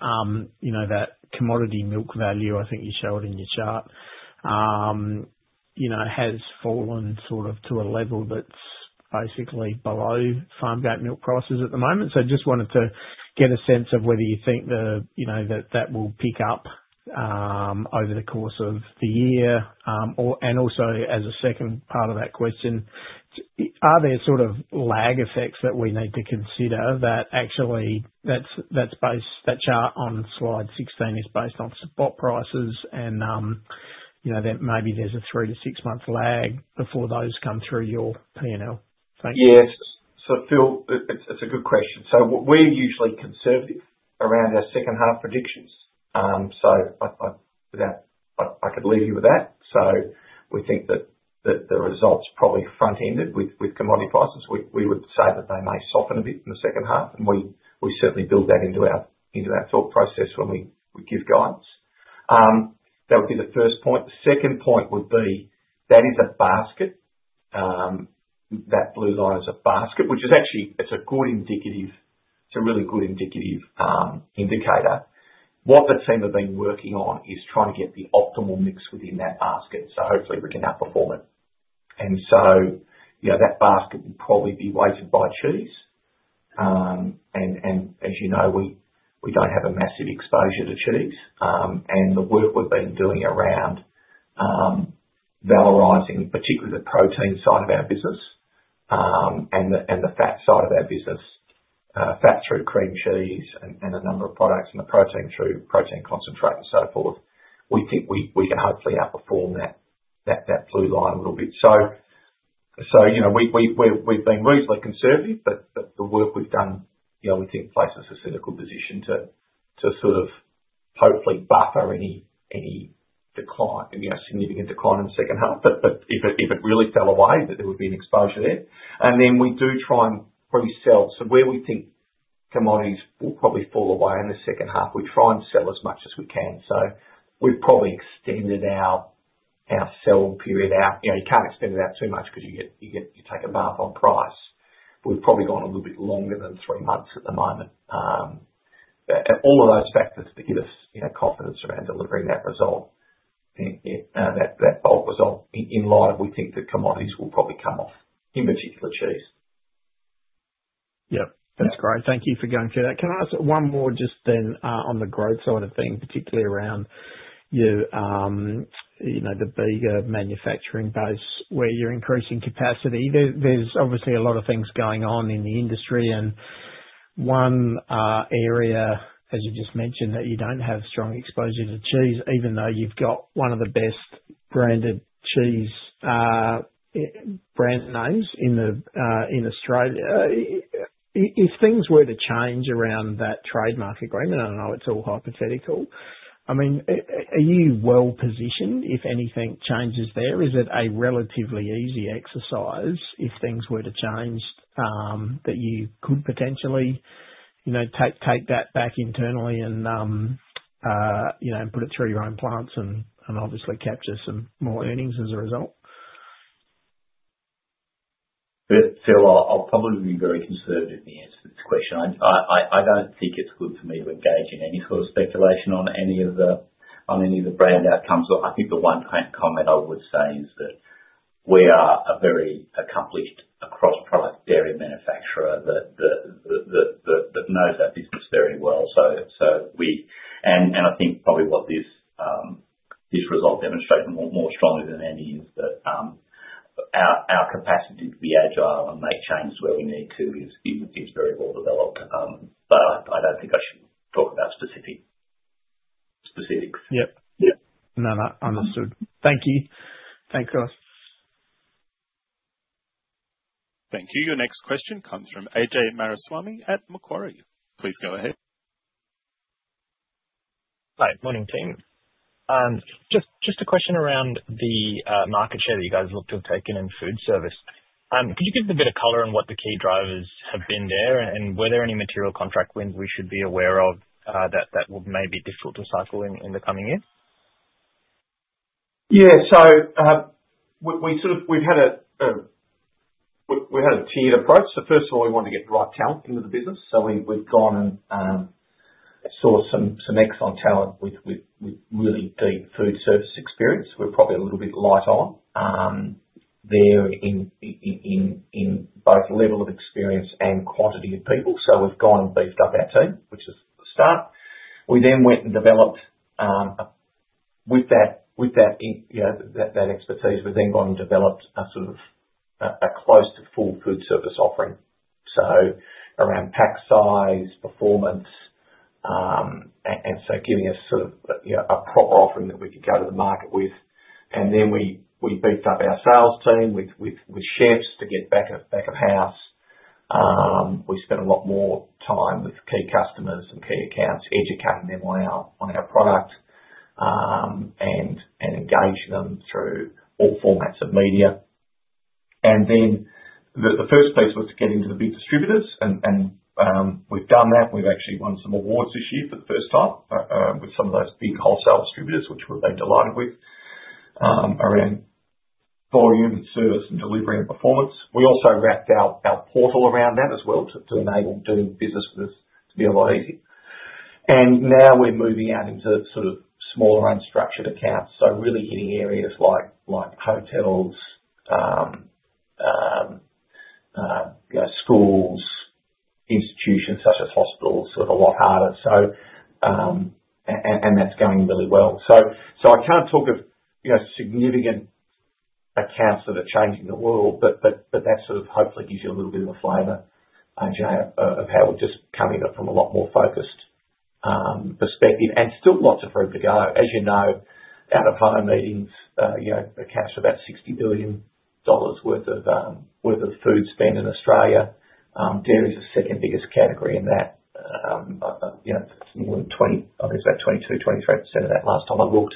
you know that commodity milk value, I think you showed in your chart, has fallen sort of to a level that's basically below farm-grade milk prices at the moment. I just wanted to get a sense of whether you think that that will pick up over the course of the year. Also, as a second part of that question, are there sort of lag effects that we need to consider that actually that chart on slide 16 is based on support prices and maybe there's a 3-6 month lag before those come through your P&L? Yeah. Phil, that's a good question. We're usually conservative around our second half predictions. We think that the results are probably front-ended with commodity prices. We would say that they may soften a bit in the second half, and we certainly build that into our thought process when we give guidance. That would be the first point. The second point would be that is a basket. That blue line is a basket, which is actually a really good indicative indicator. What the team have been working on is trying to get the optimal mix within that basket. Hopefully, we can outperform it. That basket would probably be weighted by chilies, and as you know, we don't have a massive exposure to chilies. The work we've been doing around valorising, particularly the protein side of our business and the fat side of our business, fat through cream cheese and a number of products in the protein through protein concentrate and so forth. We think we can hopefully outperform that blue line a little bit. We've been reasonably conservative, but the work we've done, we think places us in a good position to hopefully buffer any decline, significant decline in the second half. If it really fell away, there would be an exposure there. We do try and pre-sell. Where we think commodities will probably fall away in the second half, we try and sell as much as we can. We've probably extended our sell period out. You can't extend it out too much, but you take a bath on price. We've probably gone a little bit longer than three months at the moment. All of those factors give us confidence around delivering that result, that bulk result in light of we think that commodities will probably come off, in particular chilies. Yeah. That's great. Thank you for going through that. Can I ask one more just then, on the growth side of things, particularly around, you know, the bigger manufacturing base where you're increasing capacity? There's obviously a lot of things going on in the industry. One area, as you just mentioned, that you don't have strong exposure to is cheese, even though you've got one of the best branded cheese brand names in Australia. If things were to change around that trade market agreement, I don't know, it's all hypothetical. I mean, are you well positioned if anything changes there? Is it a relatively easy exercise if things were to change, that you could potentially take that back internally and put it through your own plants and obviously capture some more earnings as a result? Yeah, Phil, I'll probably be very conservative in the answer to this question. I don't think it's good for me to engage in any sort of speculation on any of the brand outcomes. I think the one kind of comment I would say is that we are a very accomplished across product dairy manufacturer that knows our business very well. We, and I think probably what this result demonstrates more strongly than any is that our capacity to be agile and make changes where we need to is very well developed. I don't think I should talk about specific specifics. Yeah, yeah, no, that understood. Thank you. Thanks, guys. Thank you. Your next question comes from Ajay Mariswamy at Macquarie. Please go ahead. Hi, morning team. Just a question around the market share that you guys look to have taken in food service. Could you give a bit of color on what the key drivers have been there? Were there any material contract wins we should be aware of that would maybe be difficult to cycle in in the coming years? Yeah. We had a tiered approach. First of all, we wanted to get the right talent into the business. We sought some excellent talent with really deep food service experience. We were probably a little bit light on there in both level of experience and quantity of people, so we beefed up our team, which is the start. We then developed, with that expertise, a close to full food service offering around pack size and performance, giving us a proper offering that we could go to the market with. We beefed up our sales team with chefs to get back of house. We spent a lot more time with key customers and key accounts, educating them on our products and engaging them through all formats of media. The first piece was to get into the big distributors, and we've done that. We've actually won some awards this year for the first time with some of those big wholesale distributors, which we've been delighted with, around volume, service, delivery, and performance. We also wrapped out our portal around that as well to enable doing business with us to be a lot easier. Now we're moving out into smaller unstructured accounts, really in areas like hotels and school institutions such as hospitals, which are a lot harder, and that's going really well. I can't talk of significant accounts that are changing the world, but that hopefully gives you a little bit of a flavor, Ajay, of how we're just coming from a lot more focused perspective. Still lots of room to go. As you know, out-of-home meetings account for about AUS 60 billion worth of food spend in Australia. Dairy is the second biggest category in that. It's more than 20%, I think it's about 22%, 23% of that last time I looked.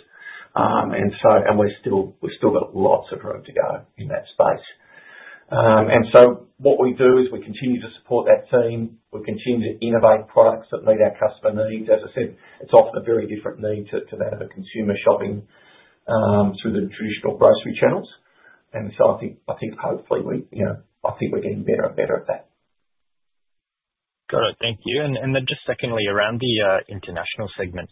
We've still got lots of room to go in that space. What we do is we continue to support that team. We continue to innovate products that meet our customer needs. As I said, it's often a very different need to that of a consumer shopping through the traditional grocery channels. I think hopefully we are getting better and better at that. Thank you. Around the international segment,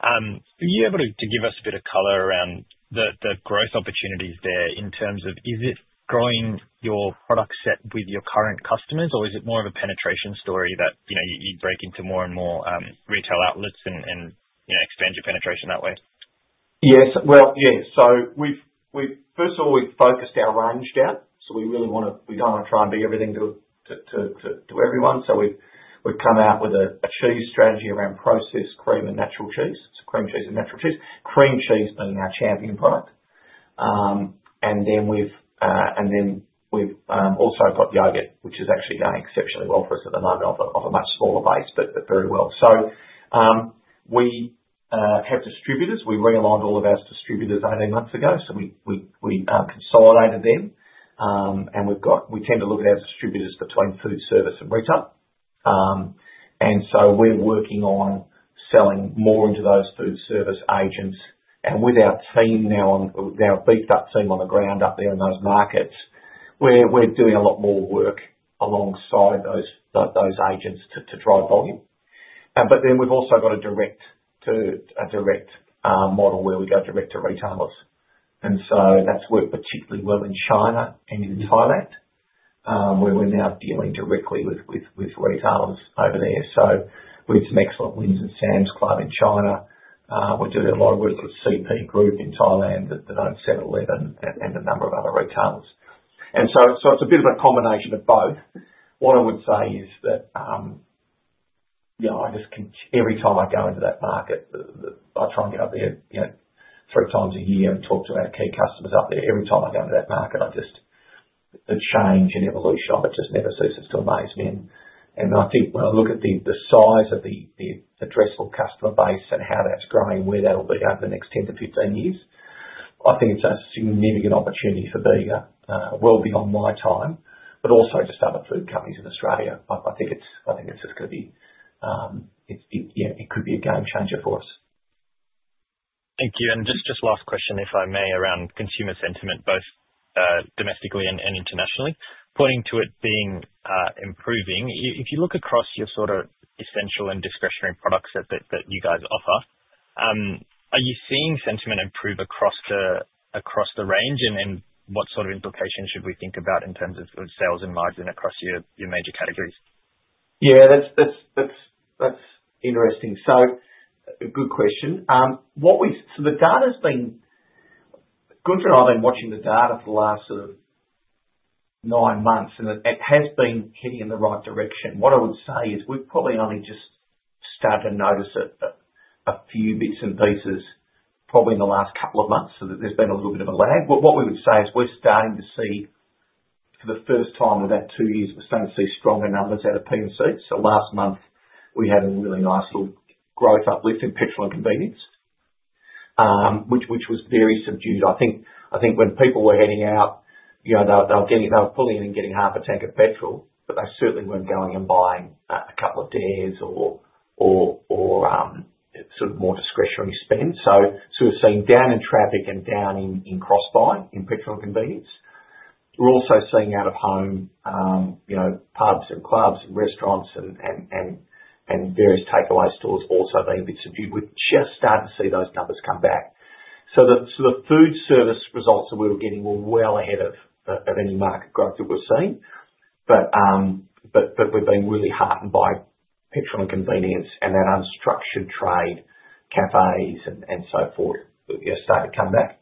are you able to give us a bit of color around the growth opportunities there in terms of is it growing your product set with your current customers, or is it more of a penetration story that you break into more and more retail outlets and expand your penetration that way? Yes. We've focused our range down. We really want to, we don't want to try and be everything to everyone. We've come out with a cheese strategy around processed, cream, and natural cheese. Cream cheese and natural cheese, cream cheese being our champion product. We've also got yogurt, which is actually going exceptionally well for us at the moment off a much smaller base, but very well. We have distributors. We realigned all of our distributors 18 months ago. We consolidated them, and we tend to look at our distributors between food service and retail. We're working on selling more into those food service agents. With our beefed-up team on the ground up there in those markets, we're doing a lot more work alongside those agents to drive volume. We've also got a direct-to-direct model where we go direct to retailers. That's worked particularly well in China and in Thailand, where we're now dealing directly with retailers over there. We've had some excellent wins in [Chongqing] in China. We're doing a lot of work with CP Group in Thailand at the [7-Eleven] and a number of other retailers. It's a bit of a combination of both. What I would say is that every time I go into that market, I try and go up there 3x a year and talk to our key customers up there. Every time I go into that market, the change and evolution of it just never ceases to amaze me. I think when I look at the size of the addressable customer base and how that's growing, where that'll be over the next 10-15 years, I think it's a significant opportunity for Bega, well beyond my time, but also just other food companies in Australia. I think it's just going to be, it could be a game changer for us. Thank you. Just last question, if I may, around consumer sentiment, both domestically and internationally, pointing to it being improving. If you look across your sort of essential and discretionary products that you guys offer, are you seeing sentiment improve across the range? What sort of implications should we think about in terms of good sales and margin across your major categories? Yeah, that's interesting. A good question. What we, so the data's been, Gunther and I have been watching the data for the last sort of nine months, and it has been heading in the right direction. What I would say is we've probably only just started to notice it, a few bits and pieces probably in the last couple of months, so there's been a little bit of a lag. What we would say is we're starting to see for the first time in about two years, we're starting to see stronger numbers out of P&C. Last month, we had a really nice little growth uplift in petrol and convenience, which was very subdued. I think when people were heading out, they're pulling in and getting half a tank of petrol, but they certainly weren't going and buying a couple of dares or more discretionary spend. We're seeing down in traffic and down in cross buy in petrol and convenience. We're also seeing out-of-home, you know, pubs and clubs and restaurants and various takeaway stores also being a bit subdued. We're just starting to see those numbers come back. The food service results that we were getting were well ahead of any market growth that we're seeing. We've been really heartened by petrol and convenience and that unstructured trade, cafes, and so forth, starting to come back.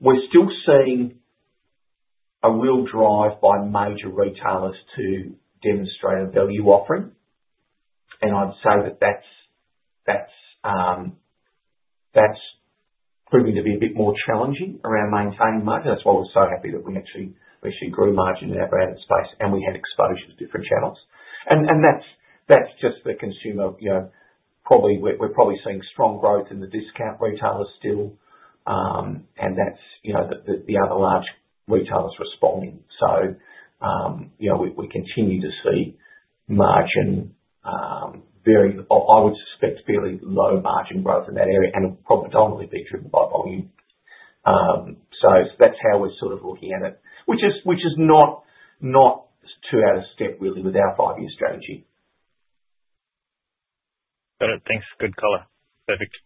We're still seeing a real drive by major retailers to demonstrate a value offering. I'd say that's proving to be a bit more challenging around maintaining margin. That's why we're so happy that we actually grew margin in our branded space and we had exposure to different channels. That's just the consumer, you know, we're probably seeing strong growth in the discount retailers still, and that's the other large retailers responding. We continue to see margin, I would suspect, fairly low margin growth in that area, and it's predominantly been driven by volume. That's how we're sort of looking at it, which is not too out of step really with our five-year strategy. Got it. Thanks. Good color. Perfect.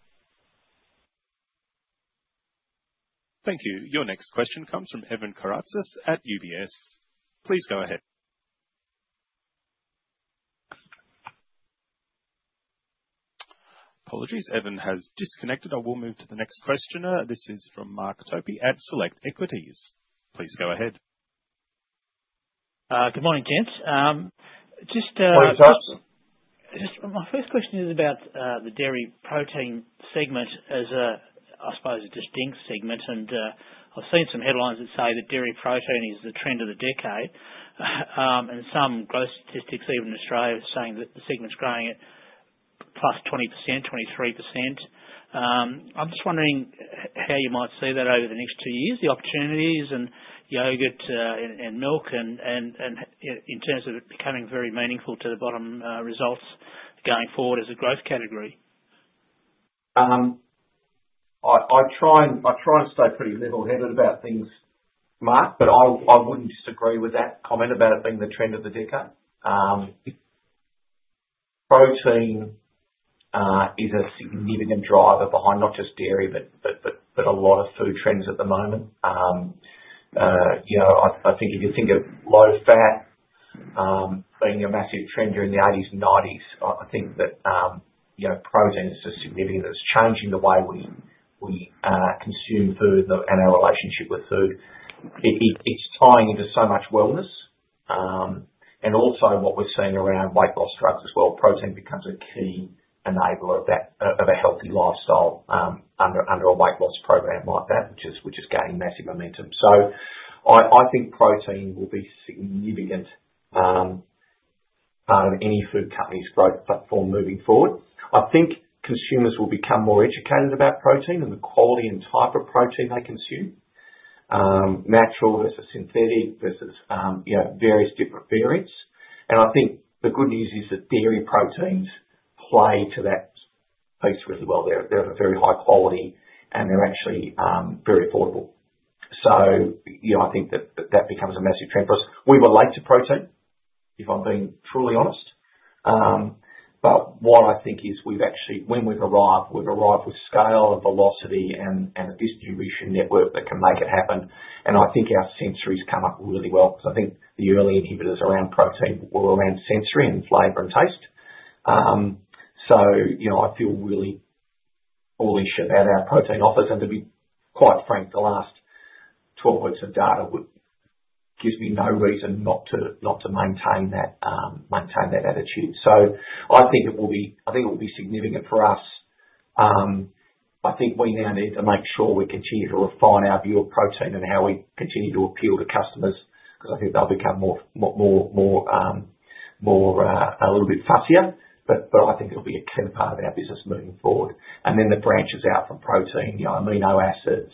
Thank you. Your next question comes from Evan Karatzas at UBS. Please go ahead. Apologies, Evan has disconnected. I will move to the next questioner. This is from Mark Topy at Select Equities. Please go ahead. Good morning, Kent. My first question is about the dairy protein segment as a, I suppose, a distinct segment. I've seen some headlines that say that dairy protein is the trend of the decade. Some growth statistics, even in Australia, are saying that the segment's growing at plus 20%, 23%. I'm just wondering how you might see that over the next two years, the opportunities in yogurt and milk, and in terms of it becoming very meaningful to the bottom results going forward as a growth category. I try and I try and stay pretty level-headed about things, Mark, but I wouldn't disagree with that comment about it being the trend of the decade. Protein is a significant driver behind not just dairy, but a lot of food trends at the moment. You know, I think if you think of low fat being a massive trend during the 1980s and 1990s, I think that, you know, protein is just significant. It's changing the way we consume food and our relationship with food. It's tying into so much wellness. Also, what we're seeing around weight loss drugs as well, protein becomes a key enabler of a healthy lifestyle under a weight loss program like that, which is gaining massive momentum. I think protein will be a significant part of any food company's growth platform moving forward. I think consumers will become more educated about protein and the quality and type of protein they consume, natural versus synthetic versus, you know, various different variants. I think the good news is that dairy proteins play to that piece really well. They're of a very high quality, and they're actually very affordable. I think that becomes a massive trend for us. We were late to protein, if I'm being truly honest. What I think is we've actually, when we've arrived, we've arrived with scale and velocity and a distribution network that can make it happen. I think our sensories come up really well because I think the early inhibitors around protein were around sensory and flavor and taste. I feel really bullish about our protein offers. To be quite frank, the last 12 weeks of data would give me no reason not to maintain that attitude. I think it will be significant for us. I think we now need to make sure we continue to refine our view of protein and how we continue to appeal to customers because I think they'll become more, a little bit fussier. I think it'll be a key part of our business moving forward. Then the branches out from protein, you know, amino acids,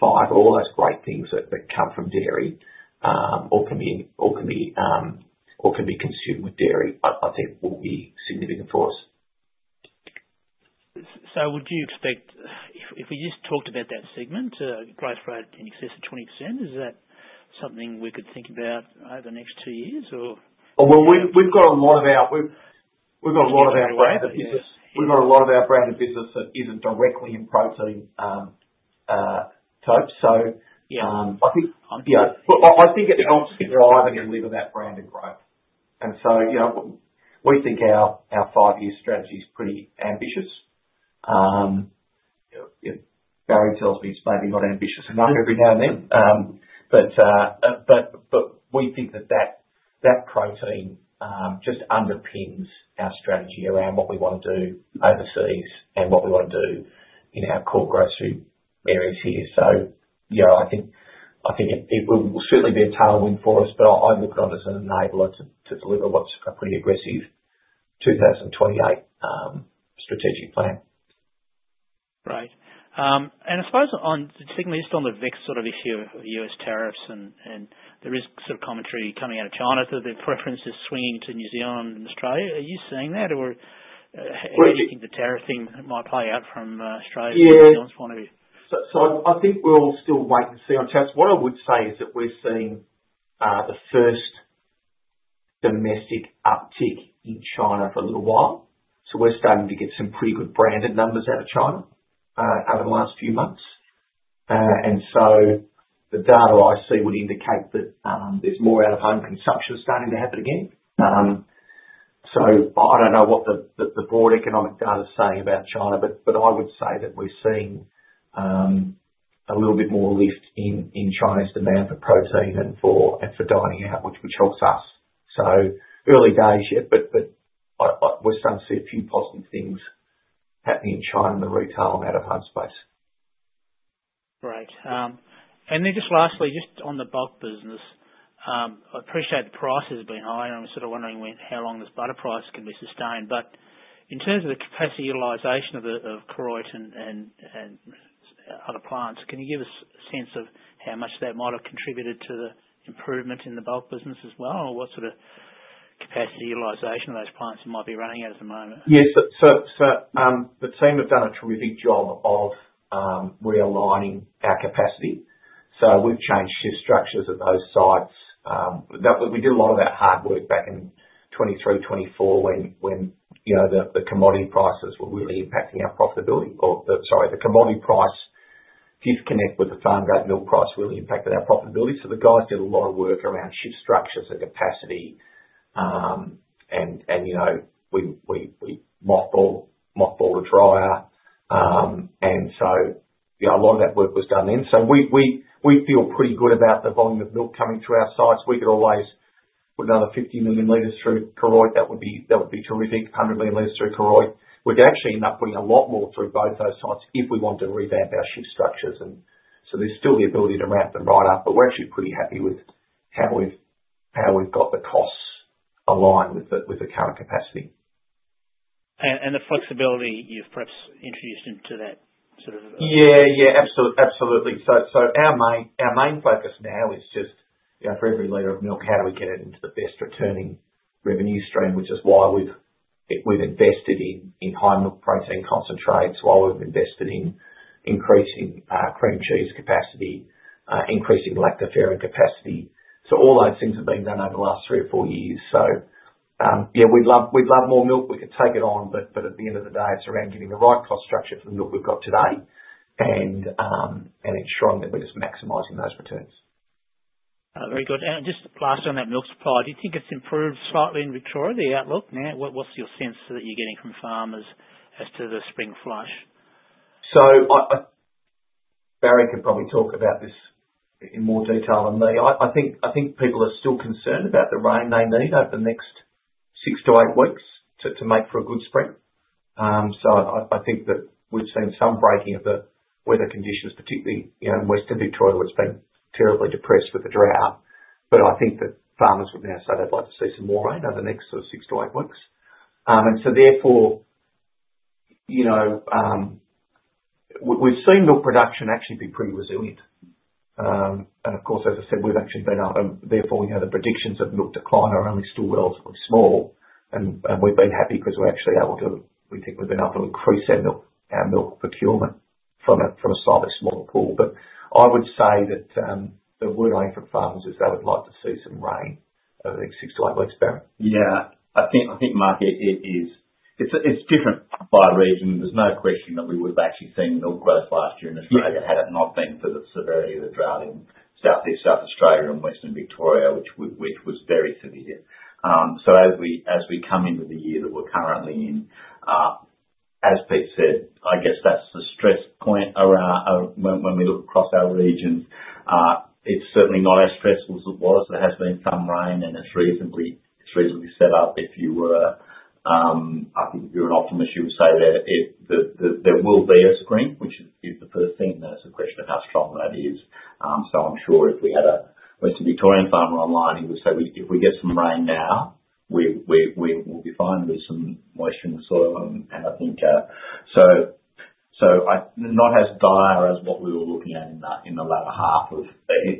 fiber, all those great things that come from dairy, or can be consumed with dairy. I think it will be significant for us. Would you expect, if we just talked about that segment, growth rate in excess of 20%, is that something we could think about over the next two years? We've got a lot of our way, but we've got a lot of our branded business that isn't directly in protein type. I think it helps drive and deliver that branded growth. We think our five-year strategy is pretty ambitious. Barry tells me it's maybe not ambitious enough every now and then, but we think that protein just underpins our strategy around what we want to do overseas and what we want to do in our core grocery areas here. I think it will certainly be a tailwind for us. I look at it as an enabler to deliver what's a pretty aggressive 2028 strategic plan. Right. I suppose on the segment, just on the VIX sort of issue of U.S. tariffs, there is some commentary coming out of China that their preference is swinging to New Zealand and Australia. Are you seeing that, or do you think the tariff thing might play out from Australia to New Zealand's point of view? I think we'll still wait and see on tariffs. What I would say is that we're seeing the first domestic uptick in China for a little while. We're starting to get some pretty good branded numbers out of China out of the last few months. The data I see would indicate that there's more out-of-home consumption starting to happen again. I don't know what the broad economic data is saying about China, but I would say that we're seeing a little bit more lift in. China, its demand for protein and for dining out, which helps us. Early days yet, but we're starting to see a few positive things happening in China in the retail and out-of-home space. Great. Lastly, just on the bulk business, I appreciate the prices have been higher. I'm sort of wondering how long this butter price can be sustained. In terms of the capacity utilization of the Koroit and other plants, can you give us a sense of how much that might have contributed to the improvement in the bulk business as well? What sort of capacity utilization of those plants you might be running at at the moment? Yes, the team have done a terrific job of realigning our capacity. We've changed shift structures at those sites. We did a lot of that hard work back in 2023-2024 when the commodity prices were really impacting our profitability. Sorry, the commodity price disconnect with the farm-gate milk price really impacted our profitability. The guys did a lot of work around shift structures and capacity. We mothballed a dryer. A lot of that work was done then. We feel pretty good about the volume of milk coming through our sites. We could always put another 50 million L through Koroit. That would be terrific. 100 million L through Koroit. We'd actually end up putting a lot more through both those sites if we wanted to revamp our shift structures. There's still the ability to ramp them right up. We're actually pretty happy with how we've got the costs aligned with the current capacity. The flexibility you've perhaps introduced into that sort of... Yeah, absolutely. Our main focus now is just, you know, for every layer of milk, how do we get it into the best returning revenue stream, which is why we've invested in high milk protein concentrates, why we've invested in increasing cream cheese capacity, increasing lactoferrin capacity. All those things have been done over the last three or four years. We'd love more milk. We could take it on. At the end of the day, it's around getting the right cost structure for the milk we've got today and ensuring that we're just maximizing those returns. Very good. Just last on that milk supply, do you think it's improved slightly in Victoria, the outlook now? What's your sense that you're getting from farmers as to the spring flush? Barry could probably talk about this in more detail than me. I think people are still concerned about the rain they need over the next 6-8 weeks to make for a good spring. I think that we've seen some breaking of the weather conditions, particularly in Western Victoria, which has been terribly depressed with the drought. I think that farmers would now say they'd like to see some more rain over the next 6-8 weeks. Therefore, we've seen milk production actually be pretty resilient. Of course, as I said, we've actually been out, and therefore the predictions of milk decline are only still relatively small. We've been happy because we think we've been able to increase our milk procurement from a slightly smaller pool. I would say that the word I hear from farmers is they would like to see some rain over the next 6-8 weeks, Barry. Yeah, I think, Mark, it is, it's different by region. There's no question that we would have actually seen milk growth last year in Australia had it not been for the severity of the drought in Southeast, South Australia and Western Victoria, which was very severe. As we come into the year that we're currently in, as Pete said, I guess that's the stress point around when we look across our regions. It's certainly not as stressful as it was. There has been some rain, and it's reasonably set up. If you were, I think if you're an optimist, you would say that there will be a spring, which is the first thing that is a question of how strong that is. I'm sure if we had a Western Victorian farmer online, he would say if we get some rain now, we'll be fine. There'll be some moisture in the soil. I think I'm not as dire as what we were looking at in the latter half of,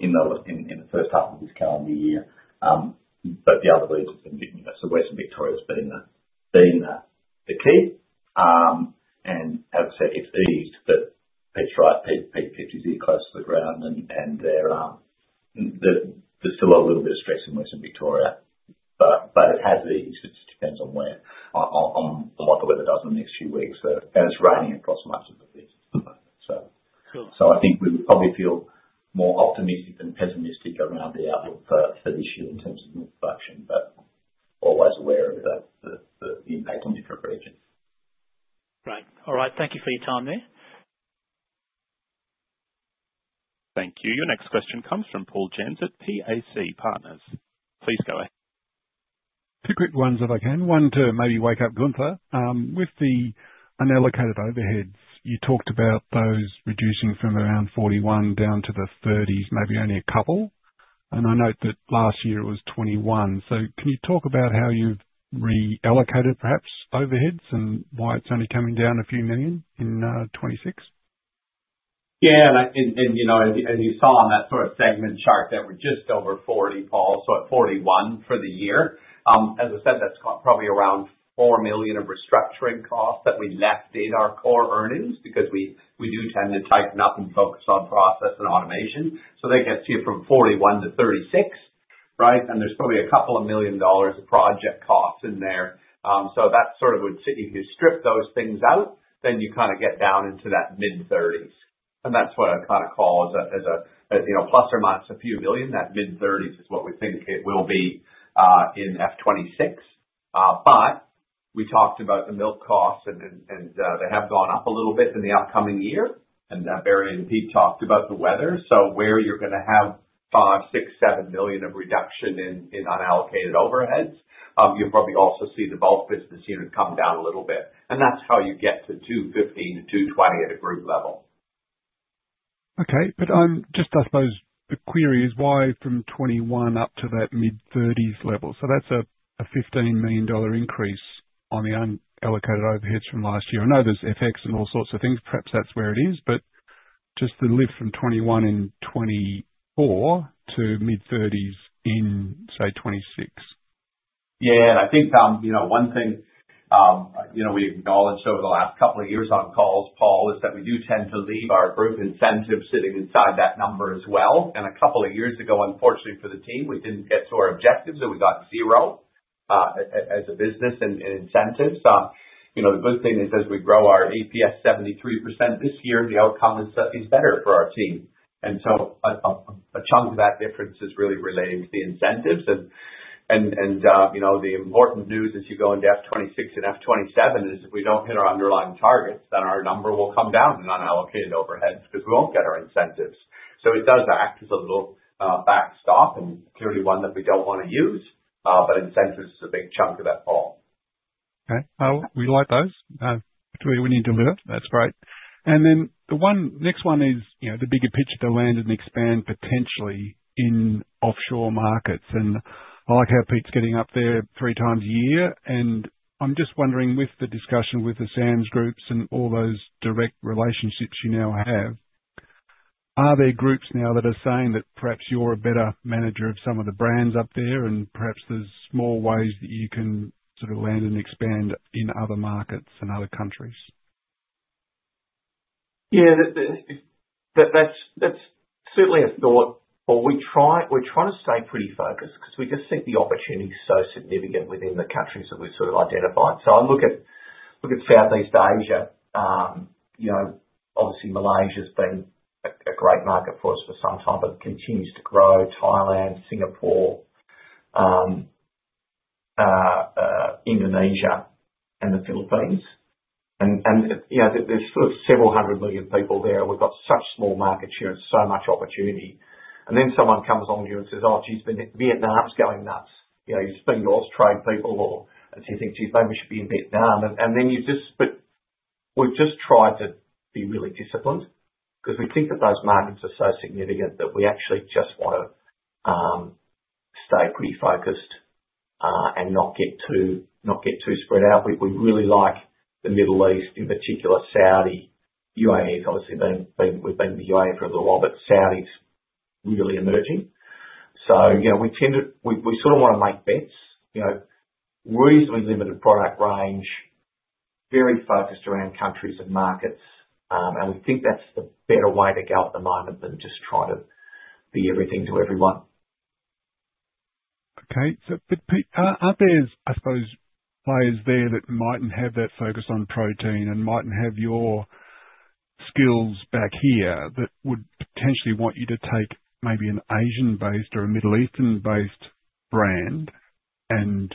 in the first half of this calendar year. The other reason is, you know, Western Victoria has been the key. As I said, it's eased, but Peter's right. Peter's 50s are close to the ground, and there's still a little bit of stress in Western Victoria. It has eased. It just depends on what the weather does in the next few weeks. It's raining across much of the field. I think we obviously feel more optimistic than pessimistic around the outlook for this year in terms of production, but always aware of the impact on different regions. Great. All right. Thank you for your time there. Thank you. Your next question comes from Paul Jensz from PAC Partners. Please go ahead. Two quick ones if I can. One to maybe wake up Gunther. With the unallocated overheads, you talked about those reducing from around AUS 41 million down to the AUS 30 million range, maybe only a couple. I note that last year it was AUS 21 million. Can you talk about how you've reallocated perhaps overheads and why it's only coming down a few million in 2026? Yeah, and you know, as you saw on that first segment chart, that was just over 40, Paul. At 41 for the year, as I said, that's got probably around AUS 4 million of restructuring costs that we left in our core earnings because we do tend to tighten up and focus on process and automation. They can see it from 41-36, right? There's probably a couple of million dollars of project costs in there. That's sort of what you do. If you strip those things out, then you kind of get down into that mid-30s. That's what I kind of call as a, you know, plus or minus a few million. That mid-30s is what we think it will be in 2026. We talked about the milk costs, and they have gone up a little bit in the upcoming year. Barry and Pete talked about the weather. Where you're going to have AUS 5 million, AUS 6 million, AUS 7 million of reduction in unallocated overheads, you'll probably also see the bulk business unit come down a little bit. That's how you get to AUS 215 million-AUS 220 million at a group level. Okay, I suppose the query is why from AUS 21 million up to that mid-AUS 30 million level. That's a AUS 15 million increase on the unallocated overheads from last year. I know there's FX and all sorts of things. Perhaps that's where it is, just the lift from AUS 21 million in 2024 to mid-AUS 30 million in, say, 2026. Yeah, and I think, you know, one thing we acknowledged over the last couple of years on calls, Paul, is that we do tend to leave our group incentives sitting inside that number as well. A couple of years ago, unfortunately for the team, we didn't get to our objectives and we got zero as a business in incentives. The good thing is as we grow our EPS 73% this year, the outcome is better for our team. A chunk of that difference is really related to the incentives. The important news as you go into FY 2026 and FY 2027 is if we don't hit our underlying targets, then our number will come down in unallocated overheads because we won't get our incentives. It does act as a little backstop and clearly one that we don't want to use, but incentives is a big chunk of that ball. Okay, we like those. We need to live. That's great. The next one is, you know, the bigger picture to land and expand potentially in offshore markets. I like how Pete's getting up there 3x a year. I'm just wondering, with the discussion with the SAMs groups and all those direct relationships you now have, are there groups now that are saying that perhaps you're a better manager of some of the brands up there and perhaps there's more ways that you can sort of land and expand in other markets and other countries? Yeah, that's certainly a thought. We're trying to stay pretty focused because we just think the opportunity is so significant within the countries that we've sort of identified. I look at Southeast Asia. Obviously, Malaysia's been a great market for us for some time, but it continues to grow. Thailand, Singapore, Indonesia, and the Philippines. There's sort of several hundred million people there. We've got such small markets here and so much opportunity. Someone comes along here and says, "Oh, geez, Vietnam's going nuts." You spend your time training people or as he thinks you say, "We should be in Vietnam." We've just tried to be really disciplined because we think that those markets are so significant that we actually just want to stay pretty focused and not get too spread out. We really like the Middle East, in particular Saudi, UAE. Obviously, we've been in the UAE for a little while, but Saudi's really emerging. We tend to, we sort of want to make bets, reasonably limited product range, very focused around countries and markets. I think that's the better way to go at the moment than just trying to be everything to everyone. Okay, Pete, are there, I suppose, players there that mightn't have that focus on protein and mightn't have your skills back here that would potentially want you to take maybe an Asian-based or a Middle Eastern-based brand and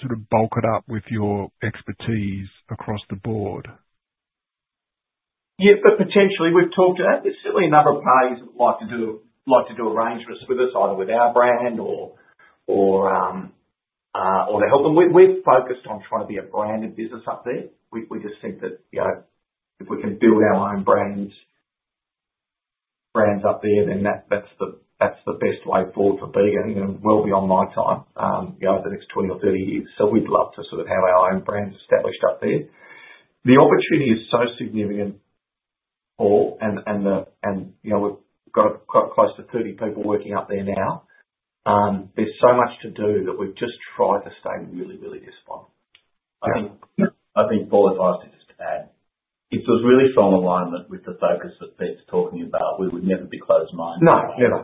sort of bulk it up with your expertise across the board? Yeah, potentially we've talked about it. There are certainly a number of players that would like to do arrangements with us, either with our brand or to help them. We're focused on trying to be a branded business up there. We just think that if we can build our own brands up there, then that's the best way forward for Bega and well beyond my time, over the next 20-30 years. We'd love to have our own brands established up there. The opportunity is so significant, Paul, and we've got close to 30 people working up there now. There's so much to do that we've just tried to stay really, really disciplined. I think, Paul, if I was to just add, if it was really strong alignment with the focus that Pete's talking about, we would never be closed minded. No,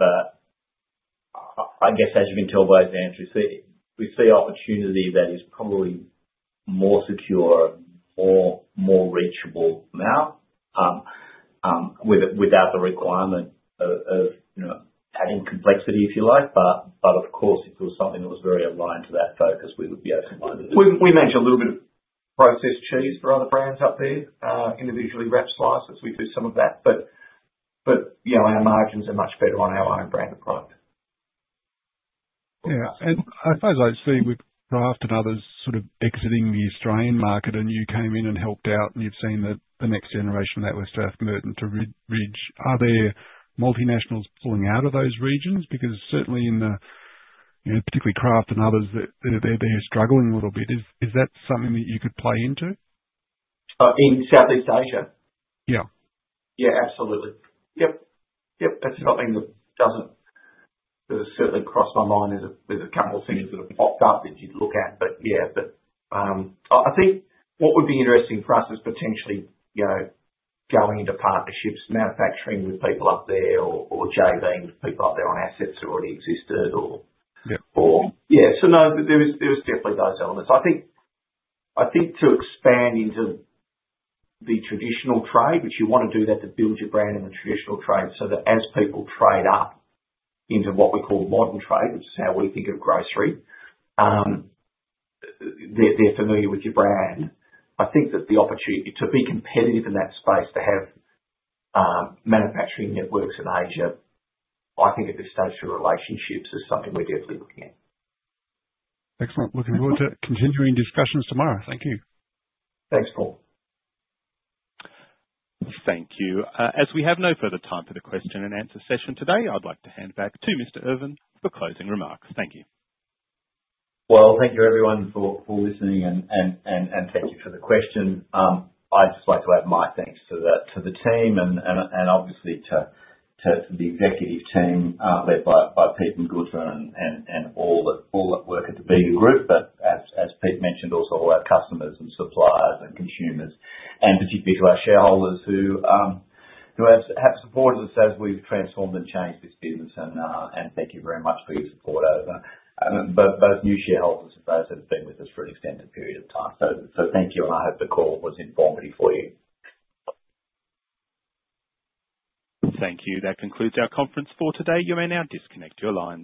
but I guess as you can tell by example, we see opportunity that is probably more secure, more reachable now, without the requirement of adding complexity, if you like. Of course, if it was something that was very aligned to that focus, we would be able to find it. We manage a little bit of processed cheese for other brands up there, individually wrapped slices. We do some of that, but our margins are much better on our own branded product. Yeah, I suppose I see with Kraft and others sort of exiting the Australian market, and you came in and helped out, and you've seen that the next generation of that was South Burton to Ridge Street. Are there multinationals pulling out of those regions? Because certainly, particularly Kraft and others, they're struggling a little bit. Is that something that you could play into? In Southeast Asia? Yeah. Yeah, absolutely. That's something that has certainly crossed my mind. There's a couple of things that have popped up that you'd look at, but I think what would be interesting for us is potentially, you know, going into partnerships, manufacturing with people up there, or JV with people up there on assets that already existed. There is definitely those elements. I think to expand into the traditional trade, which you want to do that to build your brand in the traditional trade, so that as people trade up into what we call modern trade, which is how we think of grocery, they're familiar with your brand. I think that the opportunity to be competitive in that space, to have manufacturing networks in Asia, I think at this stage through relationships is something we're definitely looking at. Excellent. Looking forward to continuing discussions tomorrow. Thank you. Thanks, Paul. Thank you. As we have no further time for the question-and-answer session today, I'd like to hand back to Mr. Irvin for closing remarks. Thank you. Thank you everyone for listening and thank you for the question. I'd just like to add my thanks to the team and obviously to the Executive Team led by Pete Findlay and Gunther Burghardt and all that work at the Bega Group. As Pete mentioned, also all our customers and suppliers and consumers, and particularly to our shareholders who have supported us as we've transformed and changed this business. Thank you very much for your support over both new shareholders and those that have been with us for an extended period of time. Thank you, and I hope the call was informative for you. Thank you. That concludes our conference for today. You may now disconnect your line.